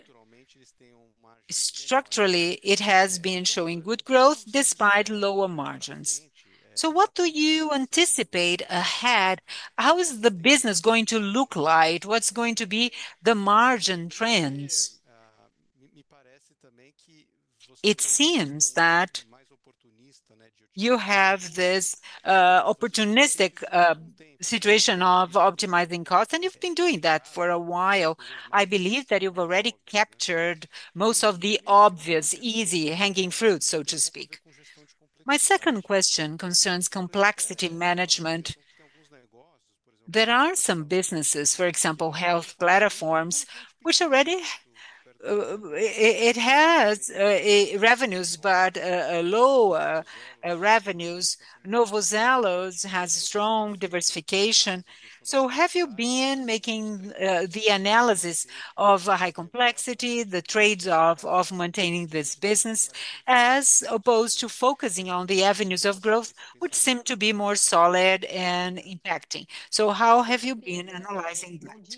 structurally, it has been showing good growth despite lower margins. What do you anticipate ahead? How is the business going to look like? What's going to be the margin trends? It seems that you have this opportunistic situation of optimizing costs, and you've been doing that for a while. I believe that you've already captured most of the obvious, easy hanging fruits, so to speak. My second question concerns complexity management. There are some businesses, for example, health platforms, which already have revenues but lower revenues. Novo Zelos has strong diversification. Have you been making the analysis of high complexity, the trades of maintaining this business, as opposed to focusing on the avenues of growth, which seem to be more solid and impacting? How have you been analyzing that?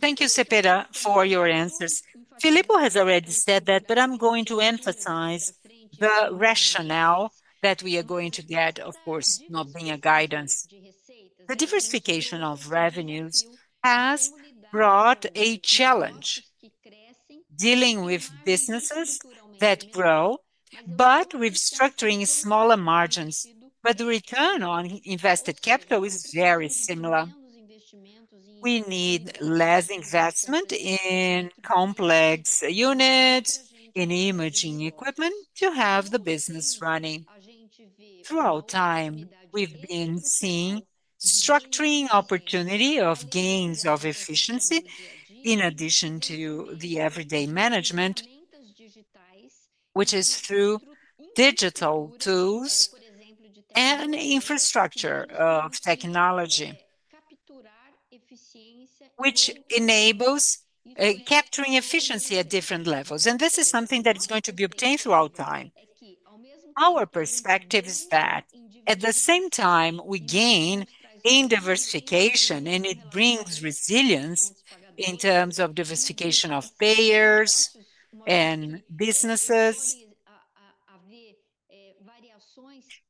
Thank you, Cepeda, for your answers. Filippo has already said that, but I'm going to emphasize the rationale that we are going to get, of course, not being a guidance. The diversification of revenues has brought a challenge dealing with businesses that grow, but with structuring smaller margins. The return on invested capital is very similar. We need less investment in complex units, in imaging equipment to have the business running. Throughout time, we've been seeing structuring opportunity of gains of efficiency in addition to the everyday management, which is through digital tools and infrastructure of technology, which enables capturing efficiency at different levels. This is something that is going to be obtained throughout time. Our perspective is that at the same time, we gain in diversification, and it brings resilience in terms of diversification of payers and businesses,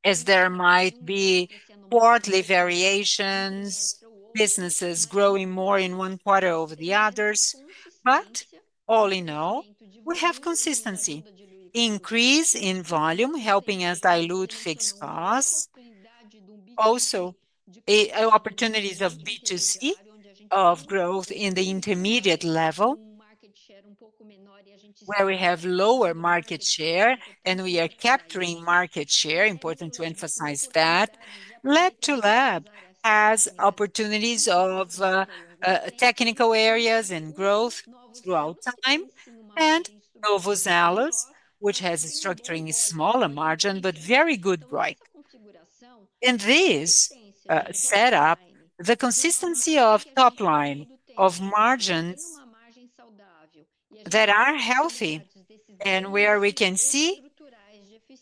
as there might be quarterly variations, businesses growing more in one quarter over the others. All in all, we have consistency, increase in volume, helping us dilute fixed costs, also opportunities of B2C, of growth in the intermediate level, where we have lower market share and we are capturing market share. Important to emphasize that. Lab-to-Lab Services has opportunities of technical areas and growth throughout time. Novo Zelos, which has a structuring smaller margin but very good growth. In this setup, the consistency of top line of margins that are healthy and where we can see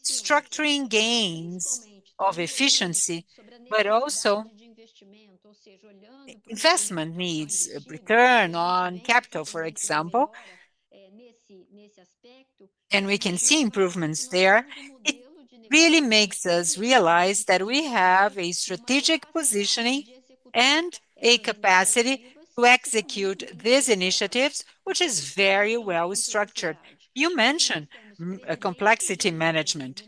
structuring gains of efficiency, but also investment needs, return on capital, for example, and we can see improvements there, it really makes us realize that we have a strategic positioning and a capacity to execute these initiatives, which is very well structured. You mentioned complexity management.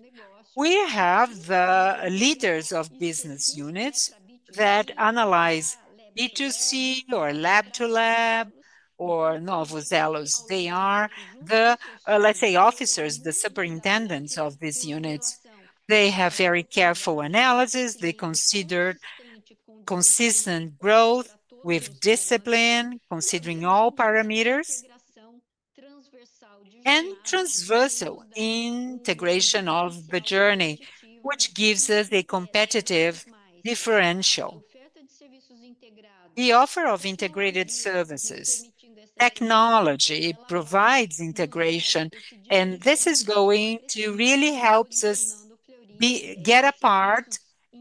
We have the leaders of business units that analyze B2C or Lab-to-Lab Services or Novo Zelos. They are the, let's say, officers, the superintendents of these units. They have very careful analysis. They consider consistent growth with discipline, considering all parameters and transversal integration of the journey, which gives us a competitive differential. The offer of integrated services, technology provides integration, and this is going to really help us get apart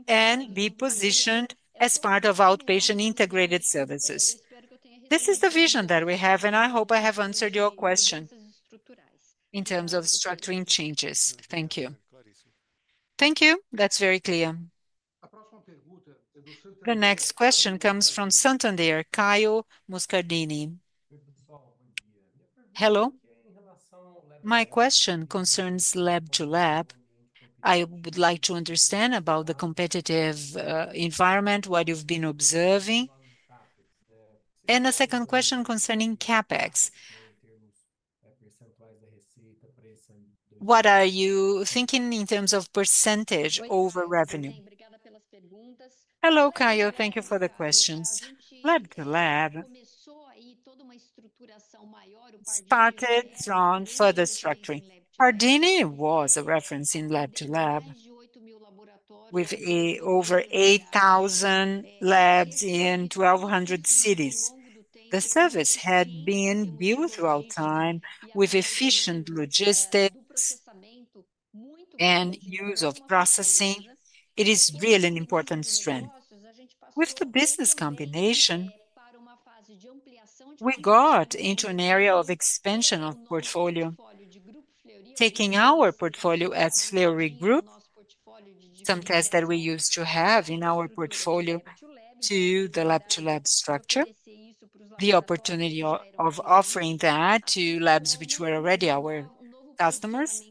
and be positioned as part of outpatient integrated services. This is the vision that we have, and I hope I have answered your question in terms of structuring changes. Thank you. Thank you. That's very clear. The next question comes from Santander, Caio Muscardini. Hello. My question concerns lab to lab. I would like to understand about the competitive environment, what you've been observing. And the second question concerning CapEx. What are you thinking in terms of percentage over revenue? Hello, Caio. Thank you for the questions. Lab to lab started strong for the structuring. Pardini was a reference in lab to lab with over 8,000 labs in 1,200 cities. The service had been built throughout time with efficient logistics and use of processing. It is really an important strength. With the business combination, we got into an area of expansion of portfolio, taking our portfolio as Fleury Group, some tests that we used to have in our portfolio to the lab to lab structure, the opportunity of offering that to labs which were already our customers,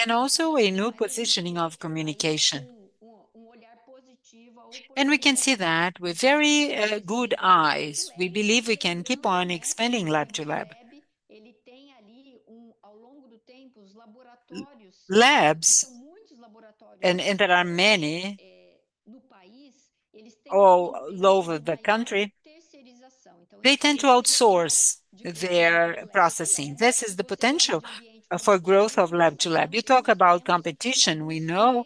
and also a new positioning of communication. We can see that with very good eyes. We believe we can keep on expanding lab to lab. Labs, and there are many, they tend to outsource their processing. This is the potential for growth of lab to lab. You talk about competition. We know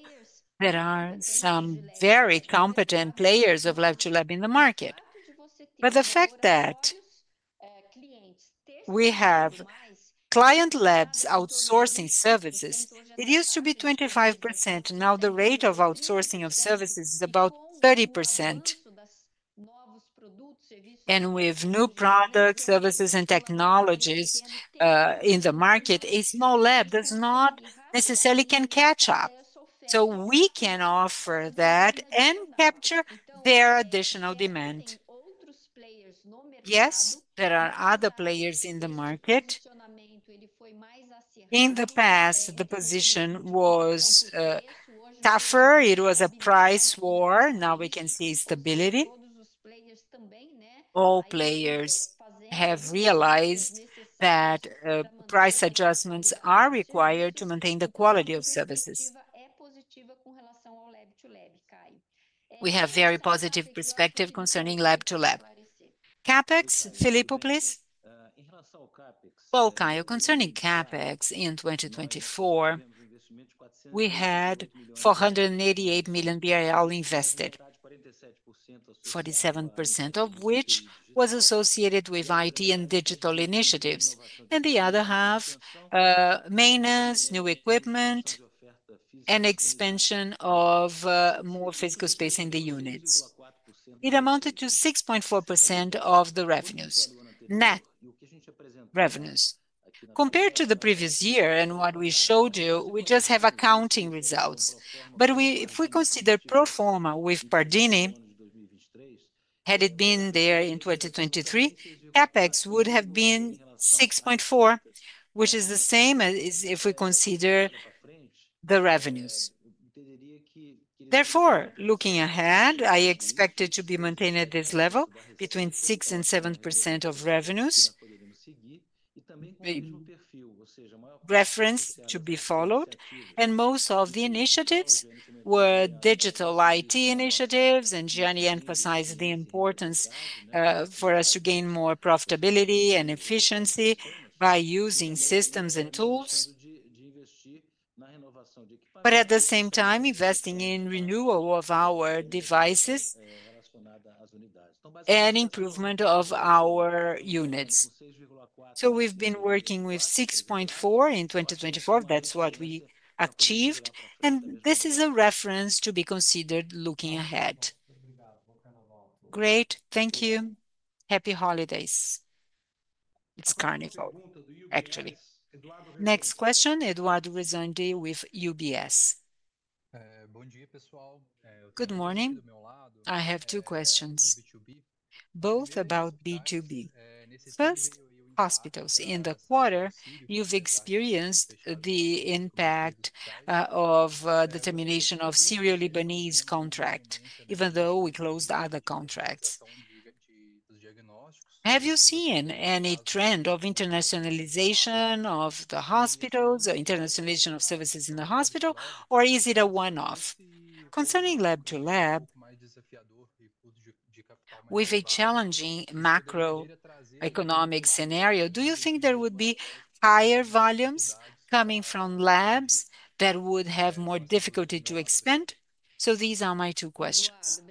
there are some very competent players of lab to lab in the market. The fact that we have client labs outsourcing services, it used to be 25%. Now the rate of outsourcing of services is about 30%. With new products, services, and technologies in the market, a small lab does not necessarily can catch up. We can offer that and capture their additional demand. Yes, there are other players in the market. In the past, the position was tougher. It was a price war. Now we can see stability. All players have realized that price adjustments are required to maintain the quality of services. We have very positive perspective concerning Lab-to-Lab. CapEx, Filippo, please. Caio, concerning CapEx in 2024, we had BRL 488 million invested, 47% of which was associated with IT and digital initiatives, and the other half, maintenance, new equipment, and expansion of more physical space in the units. It amounted to 6.4% of the revenues, net revenues. Compared to the previous year and what we showed you, we just have accounting results. If we consider pro forma with Pardini, had it been there in 2023, CAPEX would have been 6.4%, which is the same as if we consider the revenues. Therefore, looking ahead, I expect it to be maintained at this level, between 6%-7% of revenues. Reference to be followed. Most of the initiatives were digital IT initiatives, and Gianni emphasized the importance for us to gain more profitability and efficiency by using systems and tools. At the same time, investing in renewal of our devices and improvement of our units. We have been working with 6.4% in 2024. That is what we achieved. This is a reference to be considered looking ahead. Great. Thank you. Happy holidays. It is Carnival, actually. Next question, Eduardo Rezende with UBS. Good morning. I have two questions, both about B2B. First, hospitals in the quarter, you've experienced the impact of the termination of Sírio-Libanês contract, even though we closed other contracts. Have you seen any trend of internationalization of the hospitals, internationalization of services in the hospital, or is it a one-off? Concerning lab to lab, with a challenging macroeconomic scenario, do you think there would be higher volumes coming from labs that would have more difficulty to expand? These are my two questions.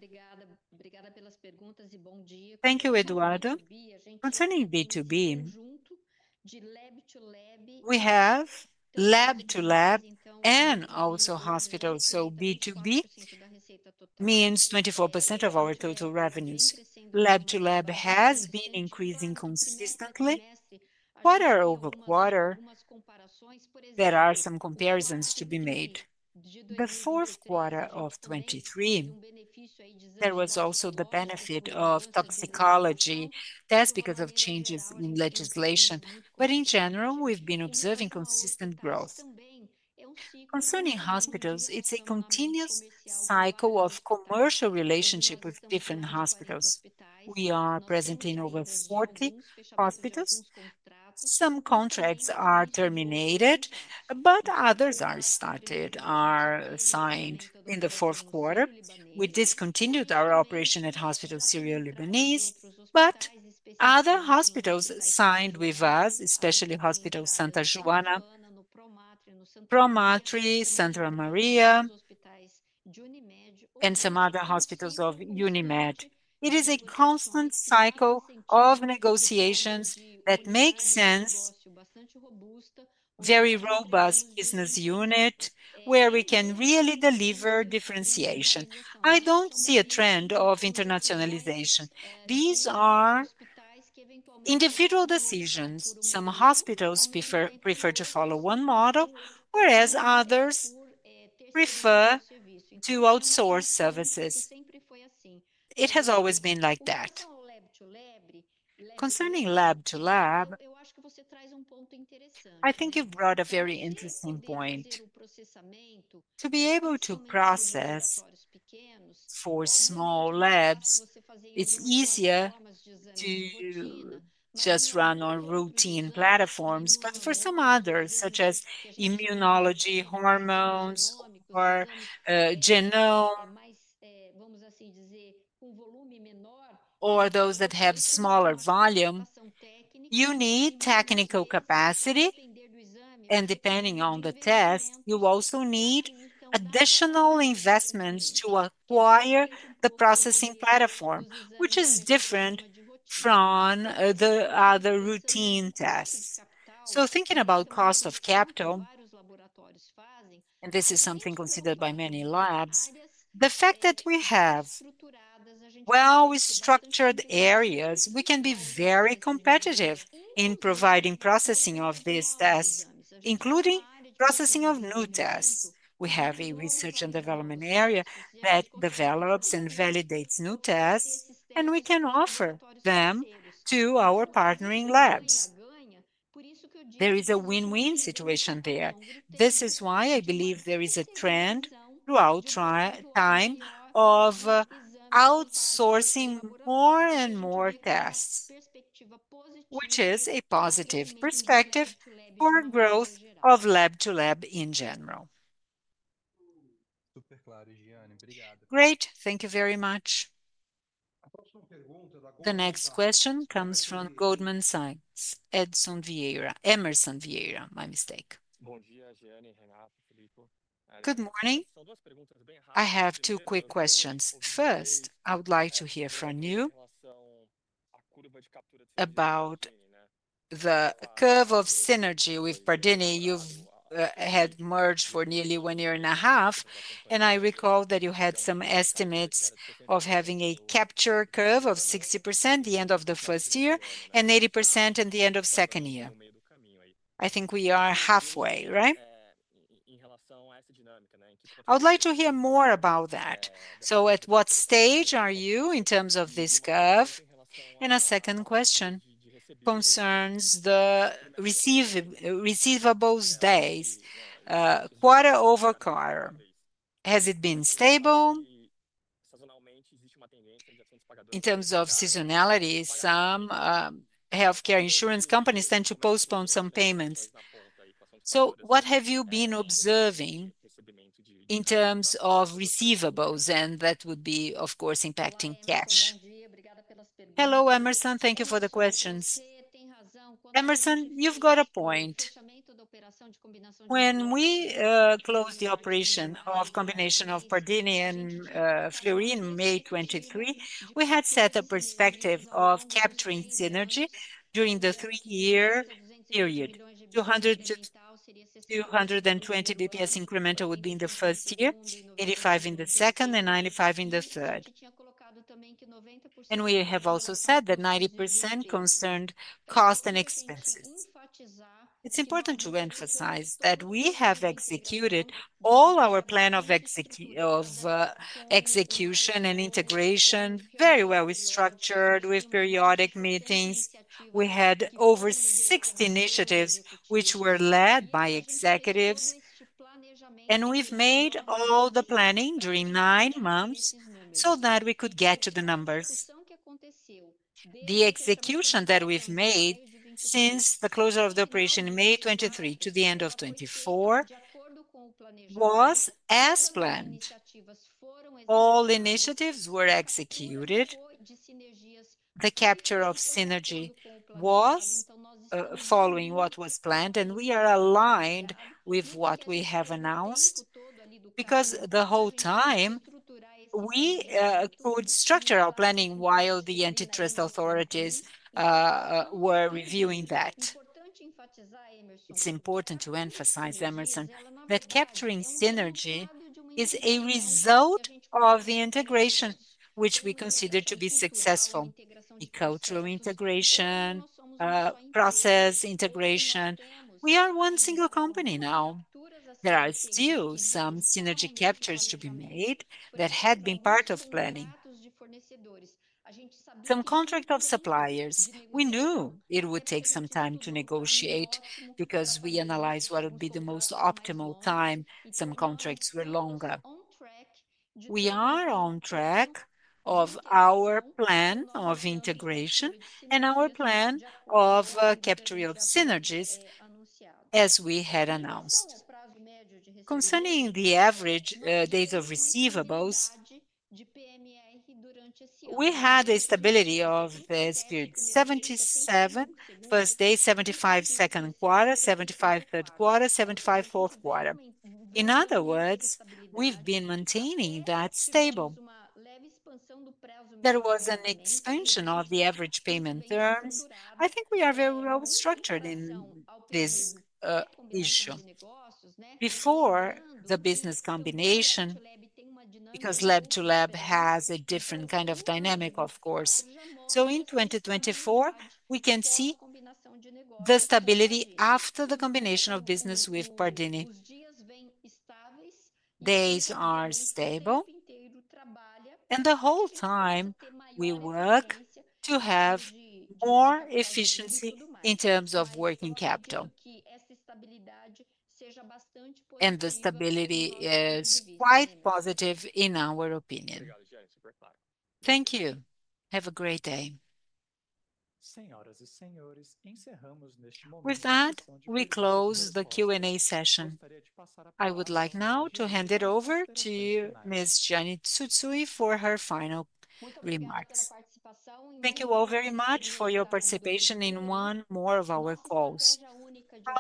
Thank you, Eduardo. Concerning B2B, we have lab to lab and also hospitals, so B2B means 24% of our total revenues. Lab to lab has been increasing consistently. Quarter over quarter, there are some comparisons to be made. The fourth quarter of 2023, there was also the benefit of toxicological exams because of changes in legislation. In general, we've been observing consistent growth. Concerning hospitals, it's a continuous cycle of commercial relationship with different hospitals. We are present in over 40 hospitals. Some contracts are terminated, but others are started, are signed. In the fourth quarter, we discontinued our operation at Hospital Sírio-Libanês, but other hospitals signed with us, especially Hospital Santa Joana, Promatre, Santa Maria, and some other hospitals of Unimed. It is a constant cycle of negotiations that makes sense for a very robust business unit where we can really deliver differentiation. I don't see a trend of internationalization. These are individual decisions. Some hospitals prefer to follow one model, whereas others prefer to outsource services. It has always been like that. Concerning lab to lab, I think you've brought a very interesting point. To be able to process for small labs, it's easier to just run on routine platforms, but for some others, such as immunology, hormones, or genome, or those that have smaller volume, you need technical capacity. Depending on the test, you also need additional investments to acquire the processing platform, which is different from the other routine tests. Thinking about cost of capital, and this is something considered by many labs, the fact that we have, well, we structured areas, we can be very competitive in providing processing of these tests, including processing of new tests. We have a research and development area that develops and validates new tests, and we can offer them to our partnering labs. There is a win-win situation there. This is why I believe there is a trend throughout time of outsourcing more and more tests, which is a positive perspective for growth of lab to lab in general. Great. Thank you very much. The next question comes from Goldman Sachs, Emerson Vieira, my mistake. Good morning. I have two quick questions. First, I would like to hear from you about the curve of synergy with Pardini. You've had merged for nearly one year and a half, and I recall that you had some estimates of having a capture curve of 60% at the end of the first year and 80% at the end of the second year. I think we are halfway, right? I would like to hear more about that. At what stage are you in terms of this curve? A second question concerns the receivables days. Quarter over quarter, has it been stable? In terms of seasonality, some healthcare insurance companies tend to postpone some payments. What have you been observing in terms of receivables? That would be, of course, impacting cash. Hello, Emerson. Thank you for the questions. Emerson, you've got a point. When we closed the operation of combination of Pardini and Fleury in May 2023, we had set a perspective of capturing synergy during the three-year period. 220 basis points incremental would be in the first year, 85 in the second, and 95 in the third. We have also said that 90% concerned cost and expenses. It is important to emphasize that we have executed all our plan of execution and integration very well. We structured with periodic meetings. We had over 60 initiatives which were led by executives. We have made all the planning during nine months so that we could get to the numbers. The execution that we have made since the closure of the operation in May 2023 to the end of 2024 was as planned. All initiatives were executed. The capture of synergy was following what was planned, and we are aligned with what we have announced because the whole time we could structure our planning while the antitrust authorities were reviewing that. It is important to emphasize, Emerson, that capturing synergy is a result of the integration which we consider to be successful. The cultural integration, process integration. We are one single company now. There are still some synergy captures to be made that had been part of planning. Some contracts of suppliers. We knew it would take some time to negotiate because we analyze what would be the most optimal time. Some contracts were longer. We are on track of our plan of integration and our plan of capture of synergies as we had announced. Concerning the average days of receivables, we had a stability of 77 first quarter, 75 second quarter, 75 third quarter, 75 fourth quarter. In other words, we have been maintaining that stable. There was an expansion of the average payment terms. I think we are very well structured in this issue before the business combination because Lab-to-Lab Services has a different kind of dynamic, of course. In 2024, we can see the stability after the combination of business with Grupo Pardini. Days are stable, and the whole time we work to have more efficiency in terms of working capital. The stability is quite positive in our opinion. Thank you. Have a great day. With that, we close the Q&A session. I would like now to hand it over to Ms. Jeane Tsutsui for her final remarks. Thank you all very much for your participation in one more of our calls.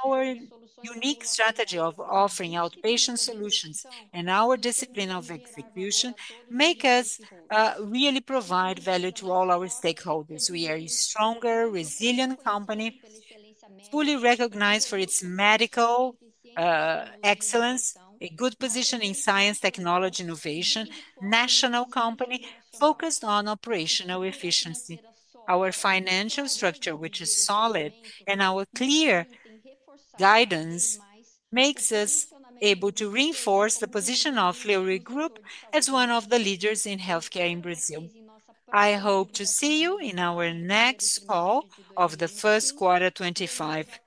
Our unique strategy of offering outpatient solutions and our discipline of execution make us really provide value to all our stakeholders. We are a stronger, resilient company, fully recognized for its medical excellence, a good position in science, technology, innovation, national company focused on operational efficiency. Our financial structure, which is solid, and our clear guidance makes us able to reinforce the position of Grupo Fleury as one of the leaders in healthcare in Brazil. I hope to see you in our next call of the first quarter, 2025.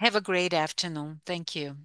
Have a great afternoon. Thank you.